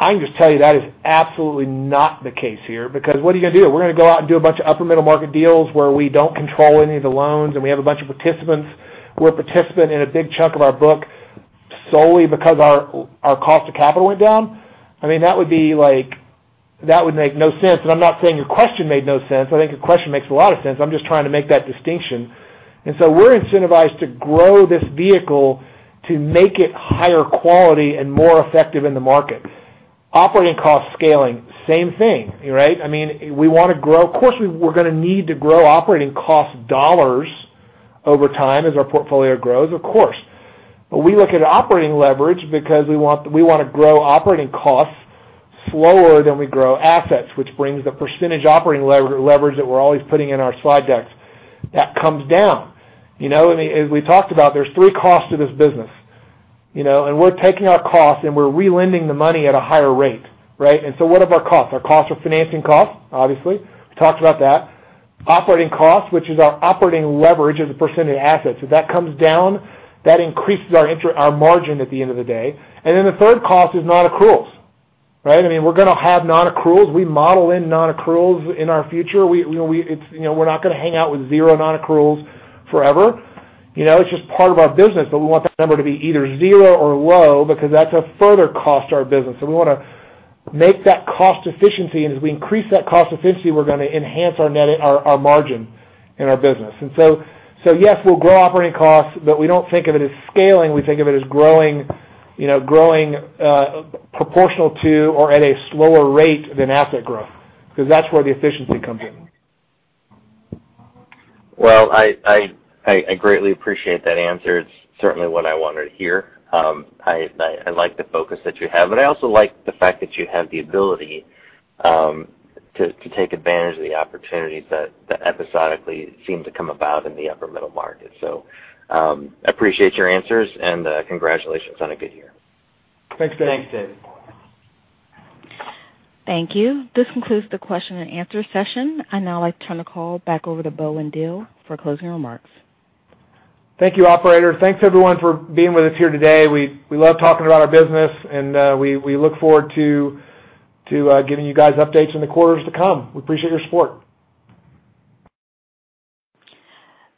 I can just tell you that is absolutely not the case here, because what are you going to do? We're going to go out and do a bunch of upper middle market deals where we don't control any of the loans, and we have a bunch of participants who are a participant in a big chunk of our book solely because our cost of capital went down? That would make no sense. I'm not saying your question made no sense. I think your question makes a lot of sense. I'm just trying to make that distinction. We're incentivized to grow this vehicle to make it higher quality and more effective in the market. Operating cost scaling, same thing. We want to grow. Of course, we're going to need to grow operating cost dollars over time as our portfolio grows, of course. We look at operating leverage because we want to grow operating costs slower than we grow assets, which brings the percentage operating leverage that we're always putting in our slide decks. That comes down. As we talked about, there's three costs to this business. We're taking our cost and we're re-lending the money at a higher rate. What are our costs? Our costs are financing costs, obviously. We talked about that. Operating costs, which is our operating leverage as a percent of assets. If that comes down, that increases our margin at the end of the day. The third cost is non-accruals. We're going to have non-accruals. We model in non-accruals in our future. We're not going to hang out with zero non-accruals forever. It's just part of our business. We want that number to be either zero or low because that's a further cost to our business, and we want to make that cost efficiency. As we increase that cost efficiency, we're going to enhance our margin in our business. Yes, we'll grow operating costs, but we don't think of it as scaling. We think of it as growing proportional to or at a slower rate than asset growth, because that's where the efficiency comes in. Well, I greatly appreciate that answer. It's certainly what I wanted to hear. I like the focus that you have, and I also like the fact that you have the ability to take advantage of the opportunities that episodically seem to come about in the upper middle market. Appreciate your answers and congratulations on a good year. Thanks. Thanks, David. Thank you. This concludes the question and answer session. I now would like to turn the call back over to Bowen Diehl for closing remarks. Thank you, operator. Thanks, everyone, for being with us here today. We love talking about our business, and we look forward to giving you guys updates in the quarters to come. We appreciate your support.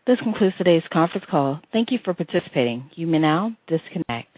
This concludes today's conference call. Thank you for participating. You may now disconnect.